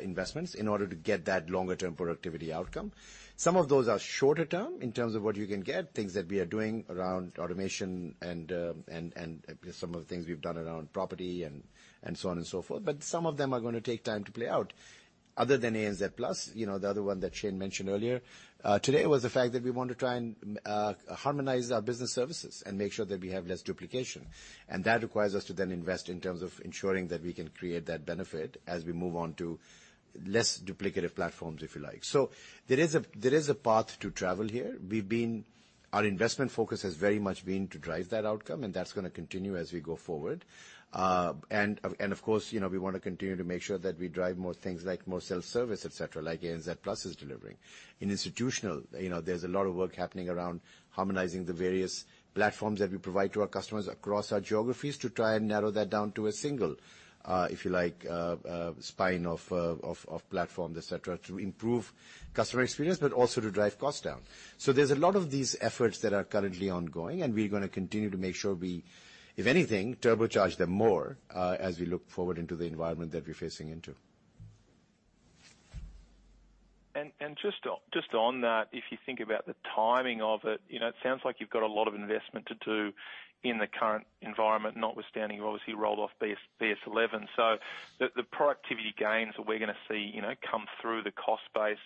investments in order to get that longer-term productivity outcome. Some of those are shorter term in terms of what you can get, things that we are doing around automation and some of the things we've done around property and so on and so forth. Some of them are gonna take time to play out. Other than ANZ Plus, you know, the other one that Shane mentioned earlier today was the fact that we want to try and harmonize our business services and make sure that we have less duplication. That requires us to then invest in terms of ensuring that we can create that benefit as we move on to less duplicative platforms, if you like. There is a, there is a path to travel here. Our investment focus has very much been to drive that outcome, and that's gonna continue as we go forward. Of course, you know, we want to continue to make sure that we drive more things like more self-service, et cetera, like ANZ Plus is delivering. In institutional, you know, there's a lot of work happening around harmonizing the various platforms that we provide to our customers across our geographies to try and narrow that down to a single, if you like, spine of platforms, et cetera, to improve customer experience, but also to drive costs down. There's a lot of these efforts that are currently ongoing, and we're gonna continue to make sure we, if anything, turbocharge them more, as we look forward into the environment that we're facing into. Just on that, if you think about the timing of it, you know, it sounds like you've got a lot of investment to do in the current environment, notwithstanding you obviously rolled off BS11. The productivity gains that we're gonna see, you know, come through the cost base,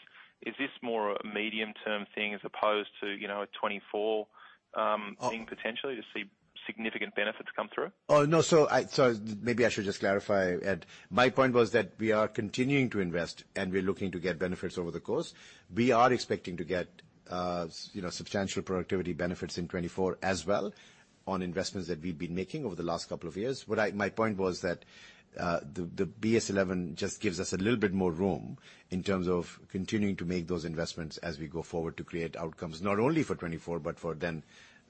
is this more a medium-term thing as opposed to, you know, a 2024 thing potentially to see significant benefits come through? No. I, so maybe I should just clarify, Ed. My point was that we are continuing to invest, and we're looking to get benefits over the course. We are expecting to get, you know, substantial productivity benefits in 2024 as well on investments that we've been making over the last couple of years. My point was that the BS11 just gives us a little bit more room in terms of continuing to make those investments as we go forward to create outcomes not only for 2024, but for then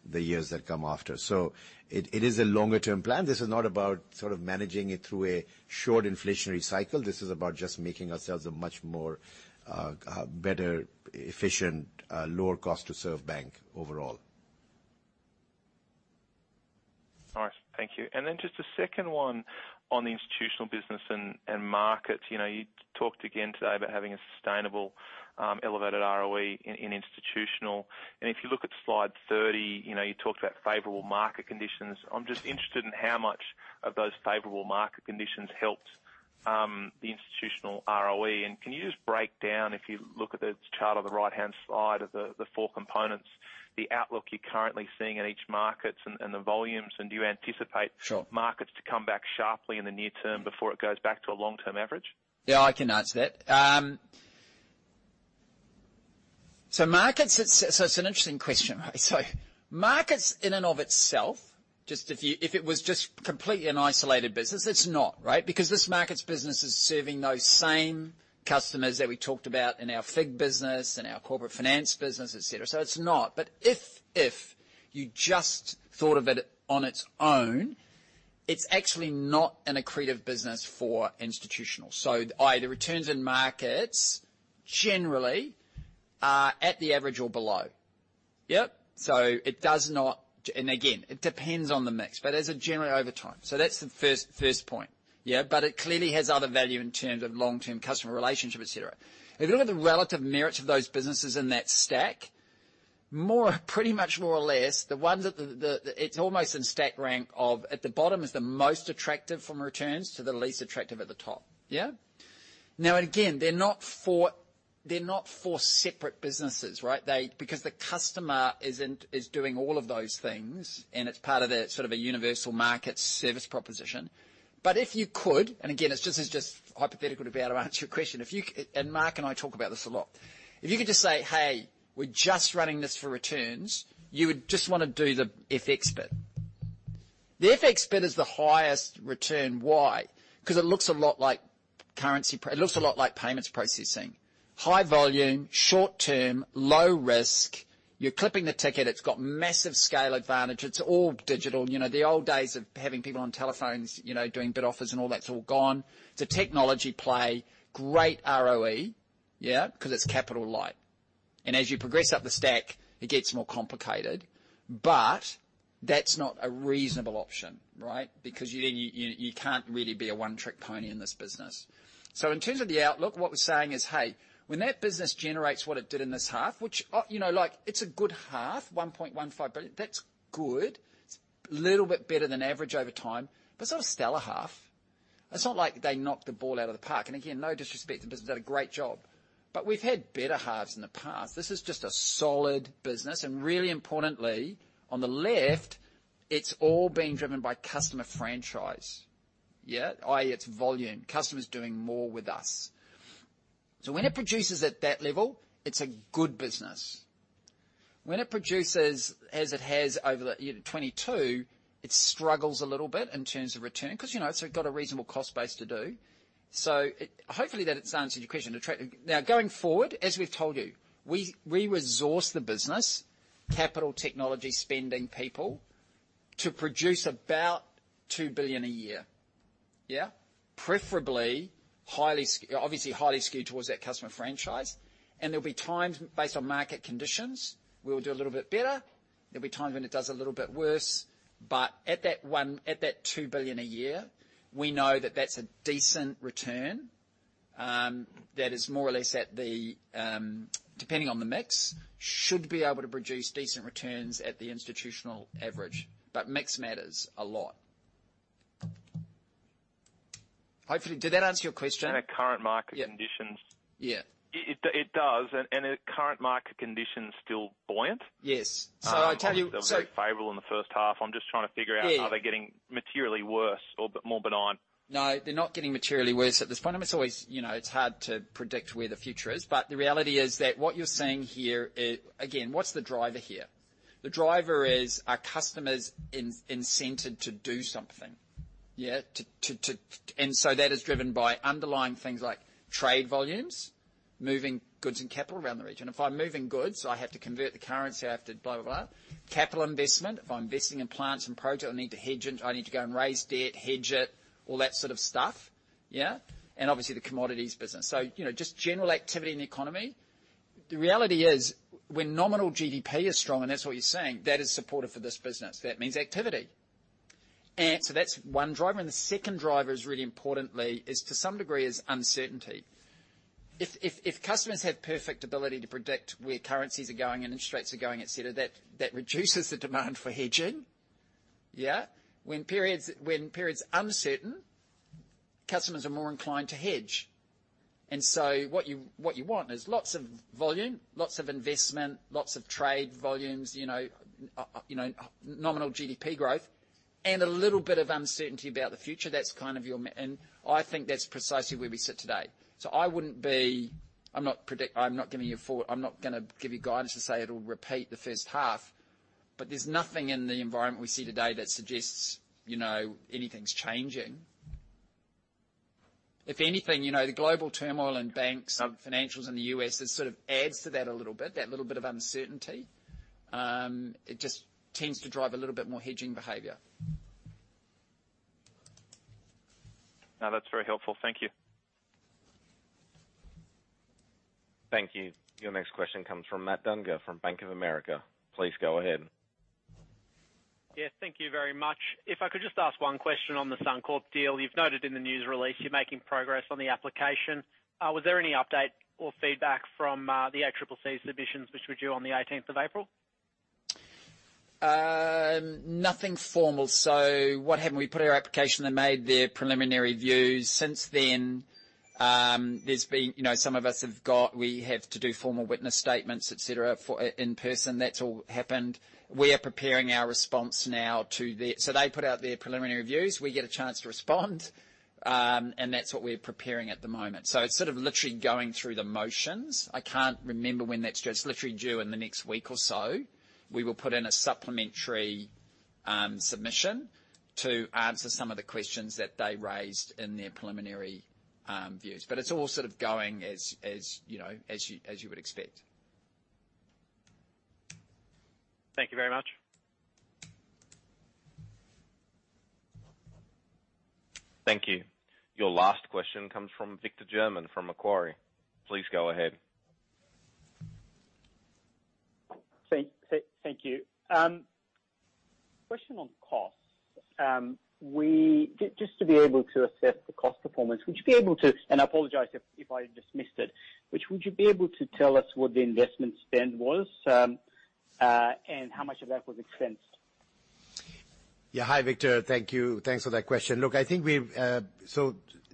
the years that come after. It, it is a longer-term plan. This is not about sort of managing it through a short inflationary cycle. This is about just making ourselves a much more better, efficient, lower cost to serve bank overall. All right. Thank you. Then just a second one on the institutional business and markets. You know, you talked again today about having a sustainable, elevated ROE in institutional. If you look at slide 30, you know, you talked about favorable market conditions. I'm just interested in how much of those favorable market conditions helped The institutional ROE. Can you just break down, if you look at the chart on the right-hand side of the four components, the outlook you're currently seeing in each markets and the volumes. Do you Sure. markets to come back sharply in the near term before it goes back to a long-term average? Yeah, I can answer that. It's an interesting question. Markets in and of itself, just if it was just completely an isolated business, it's not, right? Because this markets business is serving those same customers that we talked about in our FIG business, in our corporate finance business, et cetera. It's not. If you just thought of it on its own, it's actually not an accretive business for institutional. Either returns in markets generally are at the average or below. Yeah. It does not. Again, it depends on the mix, but as a general over time. That's the first point. Yeah. It clearly has other value in terms of long-term customer relationship, et cetera. If you look at the relative merits of those businesses in that stack, pretty much more or less, the ones that the, it's almost in stack rank of at the bottom is the most attractive from returns to the least attractive at the top. Yeah. Again, they're not for separate businesses, right? They, because the customer is doing all of those things, and it's part of a sort of a universal market service proposition. If you could, and again, it's just hypothetical to be able to answer your question. If you and Mark and I talk about this a lot. If you could just say, "Hey, we're just running this for returns," you would just wanna do the FX bit. The FX bit is the highest return. Why? It looks a lot like payments processing. High volume, short term, low risk. You're clipping the ticket, it's got massive scale advantage. It's all digital. You know, the old days of having people on telephones, you know, doing bid offers and all that's all gone. It's a technology play, great ROE, yeah, 'cause it's capital light. As you progress up the stack, it gets more complicated. That's not a reasonable option, right? You can't really be a one-trick pony in this business. In terms of the outlook, what we're saying is, hey, when that business generates what it did in this half, which, you know, like it's a good half, 1.15 billion. That's good. It's a little bit better than average over time, but it's not a stellar half. It's not like they knocked the ball out of the park. Again, no disrespect, the business did a great job. We've had better halves in the past. This is just a solid business. Really importantly, on the left, it's all being driven by customer franchise. Yeah. I.e., it's volume. Customers doing more with us. When it produces at that level, it's a good business. When it produces as it has over the year 2022, it struggles a little bit in terms of return because, you know, it's got a reasonable cost base to do. Hopefully that's answered your question. Now going forward, as we've told you, we resource the business, capital technology spending people, to produce about 2 billion a year. Yeah. Preferably obviously highly skewed towards that customer franchise. There'll be times based on market conditions, we'll do a little bit better. There'll be times when it does a little bit worse. At that 1 billion, at that 2 billion a year, we know that that's a decent return, that is more or less at the, depending on the mix, should be able to produce decent returns at the institutional average. Mix matters a lot. Hopefully, did that answer your question? Are current market conditions? Yeah. It does. Are current market conditions still buoyant? Yes. I tell you. They were very favorable in the first half. I'm just trying to figure out. Yeah. Are they getting materially worse or more benign? No, they're not getting materially worse at this point. I mean, it's always, you know, it's hard to predict where the future is. The reality is that what you're seeing here, again, what's the driver here? The driver is our customers incented to do something. Yeah. To that is driven by underlying things like trade volumes, moving goods and capital around the region. If I'm moving goods, I have to convert the currency, I have to blah, blah. Capital investment, if I'm investing in plants and project, I need to hedge it. I need to go and raise debt, hedge it, all that sort of stuff. Yeah. Obviously the commodities business. You know, just general activity in the economy. The reality is when nominal GDP is strong, and that's what you're seeing, that is supportive for this business. That means activity. That's one driver. The second driver is really importantly, is to some degree is uncertainty. If customers have perfect ability to predict where currencies are going and interest rates are going, et cetera, that reduces the demand for hedging. Yeah. When periods are uncertain, customers are more inclined to hedge. What you, what you want is lots of volume, lots of investment, lots of trade volumes, you know, you know, nominal GDP growth, and a little bit of uncertainty about the future. That's kind of your and I think that's precisely where we sit today. I wouldn't be. I'm not giving you guidance to say it'll repeat the first half, but there's nothing in the environment we see today that suggests, you know, anything's changing. If anything, you know, the global turmoil in banks. Um. financials in the U.S., it sort of adds to that a little bit, that little bit of uncertainty. It just tends to drive a little bit more hedging behavior. No, that's very helpful. Thank you. Thank you. Your next question comes from Matthew Dunger from Bank of America. Please go ahead. Yes, thank you very much. If I could just ask one question on the Suncorp deal. You've noted in the news release you're making progress on the application. Was there any update or feedback from the ACCC submissions, which were due on the 18th of April? Nothing formal. What happened, we put our application and made their preliminary views. Since then, there's been, you know, some of us have got. We have to do formal witness statements, et cetera, for in person. That's all happened. We are preparing our response now to their preliminary views, we get a chance to respond, and that's what we're preparing at the moment. It's sort of literally going through the motions. I can't remember when that's just literally due in the next week or so. We will put in a supplementary submission to answer some of the questions that they raised in their preliminary views. It's all sort of going as, you know, as you would expect. Thank you very much. Thank you. Your last question comes from Victor German, from Macquarie. Please go ahead. Thank you. Question on costs. Just to be able to assess the cost performance, I apologize if I dismissed it. Would you be able to tell us what the investment spend was and how much of that was expensed? Hi, Victor. Thank you. Thanks for that question. I think we've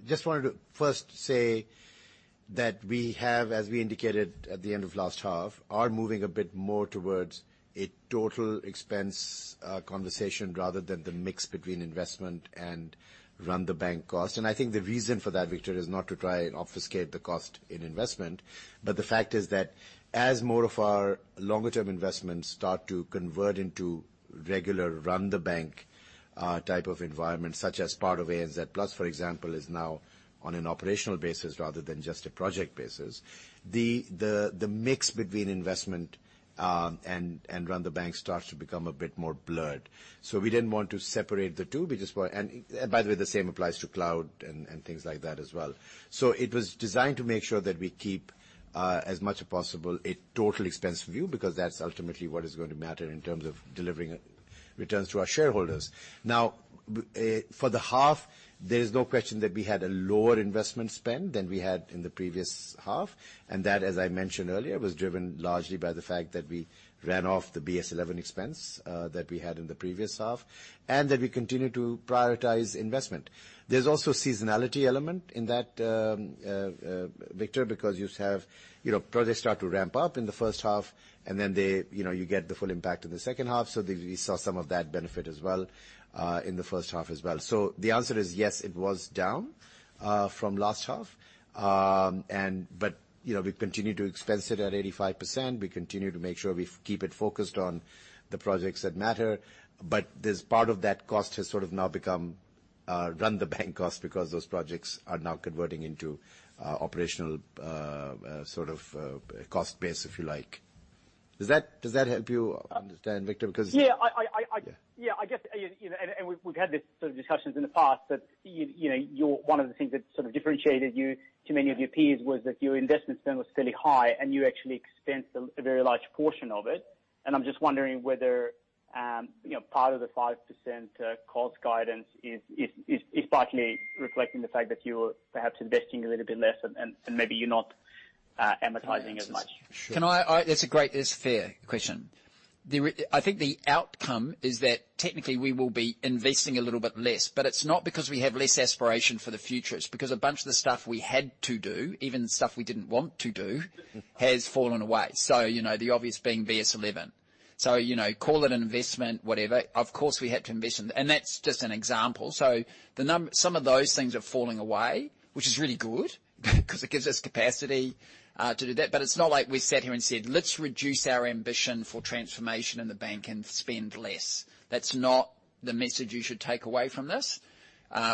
just wanted to first say that we have, as we indicated at the end of last half, are moving a bit more towards a total expense conversation rather than the mix between investment and run the bank cost. I think the reason for that, Victor, is not to try and obfuscate the cost in investment, but the fact is that as more of our longer-term investments start to convert into regular run-the-bank type of environment, such as part of ANZ Plus, for example, is now on an operational basis rather than just a project basis. The mix between investment and run the bank starts to become a bit more blurred. We didn't want to separate the two, we just want... By the way, the same applies to cloud and things like that as well. It was designed to make sure that we keep as much as possible a total expense view, because that's ultimately what is going to matter in terms of delivering returns to our shareholders. For the half, there is no question that we had a lower investment spend than we had in the previous half, and that, as I mentioned earlier, was driven largely by the fact that we ran off the BS11 expense that we had in the previous half, and that we continue to prioritize investment. There's also seasonality element in that, Victor, because you have, you know, projects start to ramp up in the first half and then they, you know, you get the full impact in the second half. We saw some of that benefit as well, in the first half as well. The answer is yes, it was down from last half. You know, we continue to expense it at 85%. We continue to make sure we keep it focused on the projects that matter. This part of that cost has sort of now become, run the bank cost because those projects are now converting into, operational, sort of, cost base, if you like. Does that help you understand, Victor? Yeah. I. Yeah. I guess, you know, and we've had this sort of discussions in the past that, you know, you're one of the things that sort of differentiated you to many of your peers was that your investment spend was fairly high, and you actually expensed a very large portion of it. I'm just wondering whether, you know, part of the 5% cost guidance is partly reflecting the fact that you're perhaps investing a little bit less and maybe you're not amortizing as much. Sure. Can I? That's a great, that's a fair question. I think the outcome is that technically we will be investing a little bit less, but it's not because we have less aspiration for the future. It's because a bunch of the stuff we had to do, even stuff we didn't want to do, has fallen away. You know, the obvious being BS11. You know, call it investment, whatever. Of course, we had to invest. That's just an example. Some of those things are falling away, which is really good 'cause it gives us capacity to do that. It's not like we sat here and said, "Let's reduce our ambition for transformation in the bank and spend less." That's not the message you should take away from this.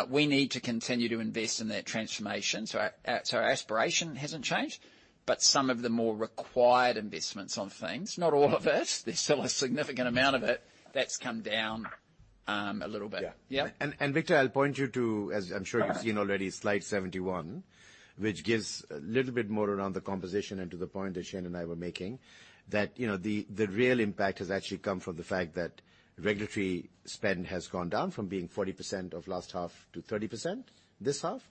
We need to continue to invest in that transformation. Our aspiration hasn't changed, but some of the more required investments on things, not all of it, there's still a significant amount of it, that's come down a little bit. Yeah. Yeah. Victor, I'll point you to, as I'm sure you've seen already, slide 71, which gives a little bit more around the composition and to the point that Shayne and I were making, that, you know, the real impact has actually come from the fact that regulatory spend has gone down from being 40% of last half to 30% this half.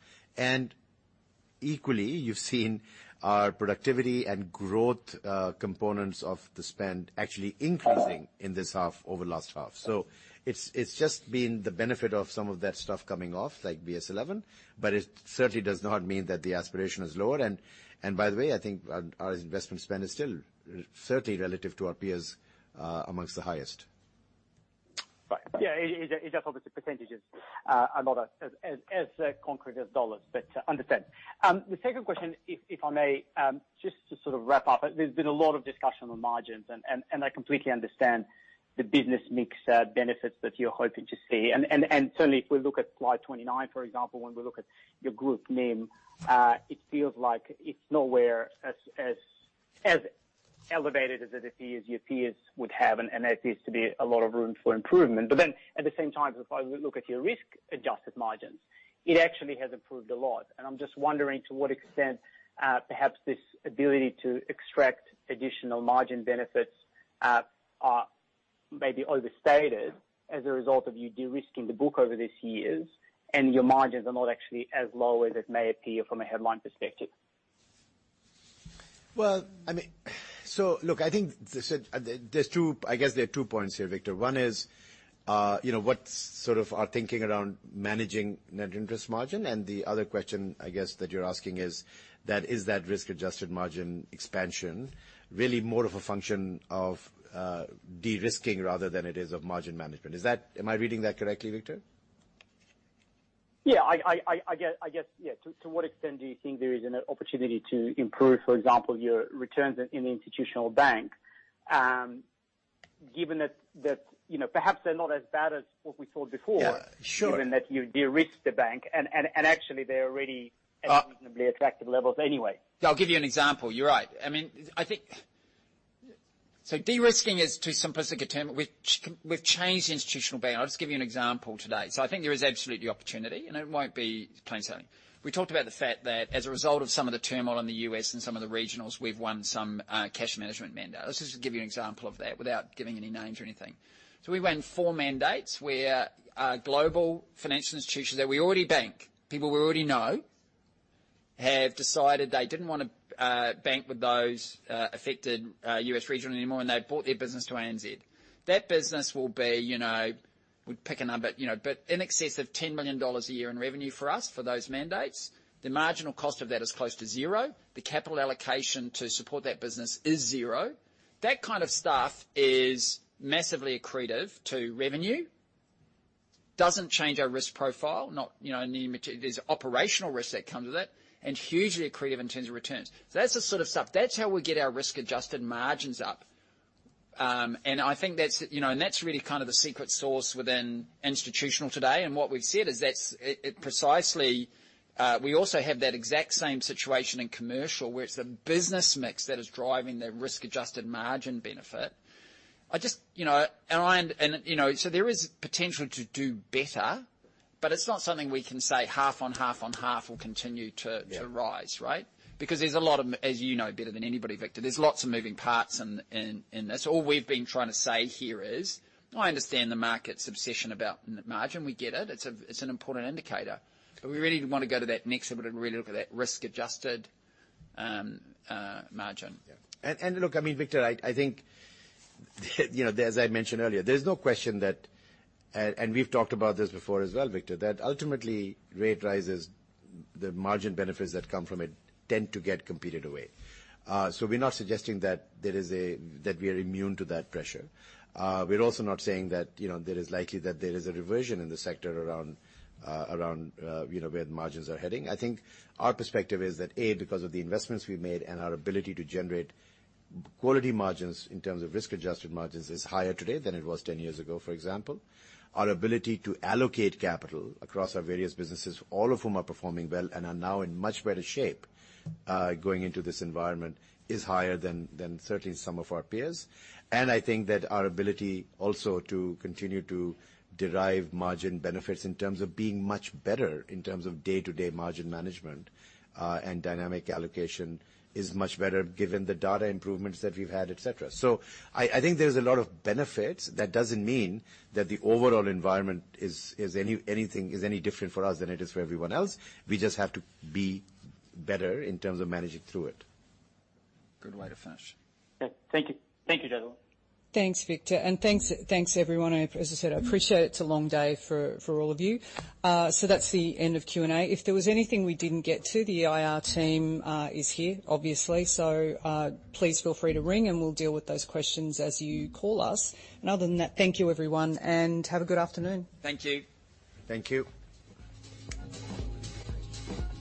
Equally, you've seen our productivity and growth components of the spend actually increasing in this half over last half. It's, it's just been the benefit of some of that stuff coming off, like BS11, but it certainly does not mean that the aspiration is lower. By the way, I think our investment spend is still certainly relative to our peers amongst the highest. Right. Yeah. It's just obviously percentages, a lot of as concrete as dollars. Understand. The second question, if I may, just to sort of wrap up. There's been a lot of discussion on margins, and I completely understand the business mix benefits that you're hoping to see. Certainly if we look at slide 29, for example, when we look at your group NIM, it feels like it's nowhere as elevated as it appears your peers would have, and there seems to be a lot of room for improvement. At the same time, if I look at your risk-adjusted margins, it actually has improved a lot. I'm just wondering to what extent, perhaps this ability to extract additional margin benefits, are maybe overstated as a result of you de-risking the book over this years, and your margins are not actually as low as it may appear from a headline perspective. Look, I guess there are two points here, Victor. One is, you know, what's sort of our thinking around managing net interest margin. The other question I guess that you're asking is that risk-adjusted margin expansion really more of a function of de-risking rather than it is of margin management? Am I reading that correctly, Victor? Yeah. I guess, yeah, to what extent do you think there is an opportunity to improve, for example, your returns in the institutional bank, given that, you know, perhaps they're not as bad as what we saw before? Yeah, sure. given that you de-risked the bank and actually they're already at reasonably attractive levels anyway. I'll give you an example. You're right. I mean, I think... de-risking is too simplistic a term. We've changed the institutional bank. I'll just give you an example today. I think there is absolutely opportunity, and it won't be plain sailing. We talked about the fact that as a result of some of the turmoil in the U.S. and some of the regionals, we've won some cash management mandates. Let's just give you an example of that without giving any names or anything. We won four mandates where global financial institutions that we already bank, people we already know, have decided they didn't wanna bank with those affected U.S. regional anymore, and they brought their business to ANZ. That business will be, we'd pick a number, but in excess of 10 million dollars a year in revenue for us for those mandates. The marginal cost of that is close to 0. The capital allocation to support that business is 0. That kind of stuff is massively accretive to revenue, doesn't change our risk profile, not. There's operational risks that come with it, and hugely accretive in terms of returns. That's the sort of stuff. That's how we get our risk-adjusted margins up. I think that's, and that's really kind of the secret sauce within institutional today. What we've said is that's it precisely, we also have that exact same situation in commercial, where it's the business mix that is driving the risk-adjusted margin benefit. I just, you know, and, you know, so there is potential to do better, but it's not something we can say half on half on half will continue to... Yeah to rise, right? There's a lot of, as you know better than anybody, Victor, there's lots of moving parts in this. All we've been trying to say here is, I understand the market's obsession about NIM. We get it. It's an important indicator. We really want to go to that next level to really look at that risk-adjusted margin. Yeah. Look, I mean, Victor, I think, you know, as I mentioned earlier, there's no question that, and we've talked about this before as well, Victor, that ultimately rate rises, the margin benefits that come from it tend to get competed away. We're not suggesting that there is a, that we are immune to that pressure. We're also not saying that, you know, there is likely that there is a reversion in the sector around, you know, where the margins are heading. I think our perspective is that, A, because of the investments we've made and our ability to generate quality margins in terms of risk-adjusted margins is higher today than it was 10 years ago, for example. Our ability to allocate capital across our various businesses, all of whom are performing well and are now in much better shape, going into this environment, is higher than certainly some of our peers. I think that our ability also to continue to derive margin benefits in terms of being much better in terms of day-to-day margin management, and dynamic allocation is much better given the data improvements that we've had, et cetera. I think there's a lot of benefits. That doesn't mean that the overall environment is any different for us than it is for everyone else. We just have to be better in terms of managing through it. Good way to finish. Okay. Thank you. Thank you, gentlemen. Thanks, Victor. Thanks, thanks everyone. As I said, I appreciate it's a long day for all of you. That's the end of Q&A. If there was anything we didn't get to, the IR team is here, obviously. Please feel free to ring, and we'll deal with those questions as you call us. Other than that, thank you, everyone, and have a good afternoon. Thank you. Thank you.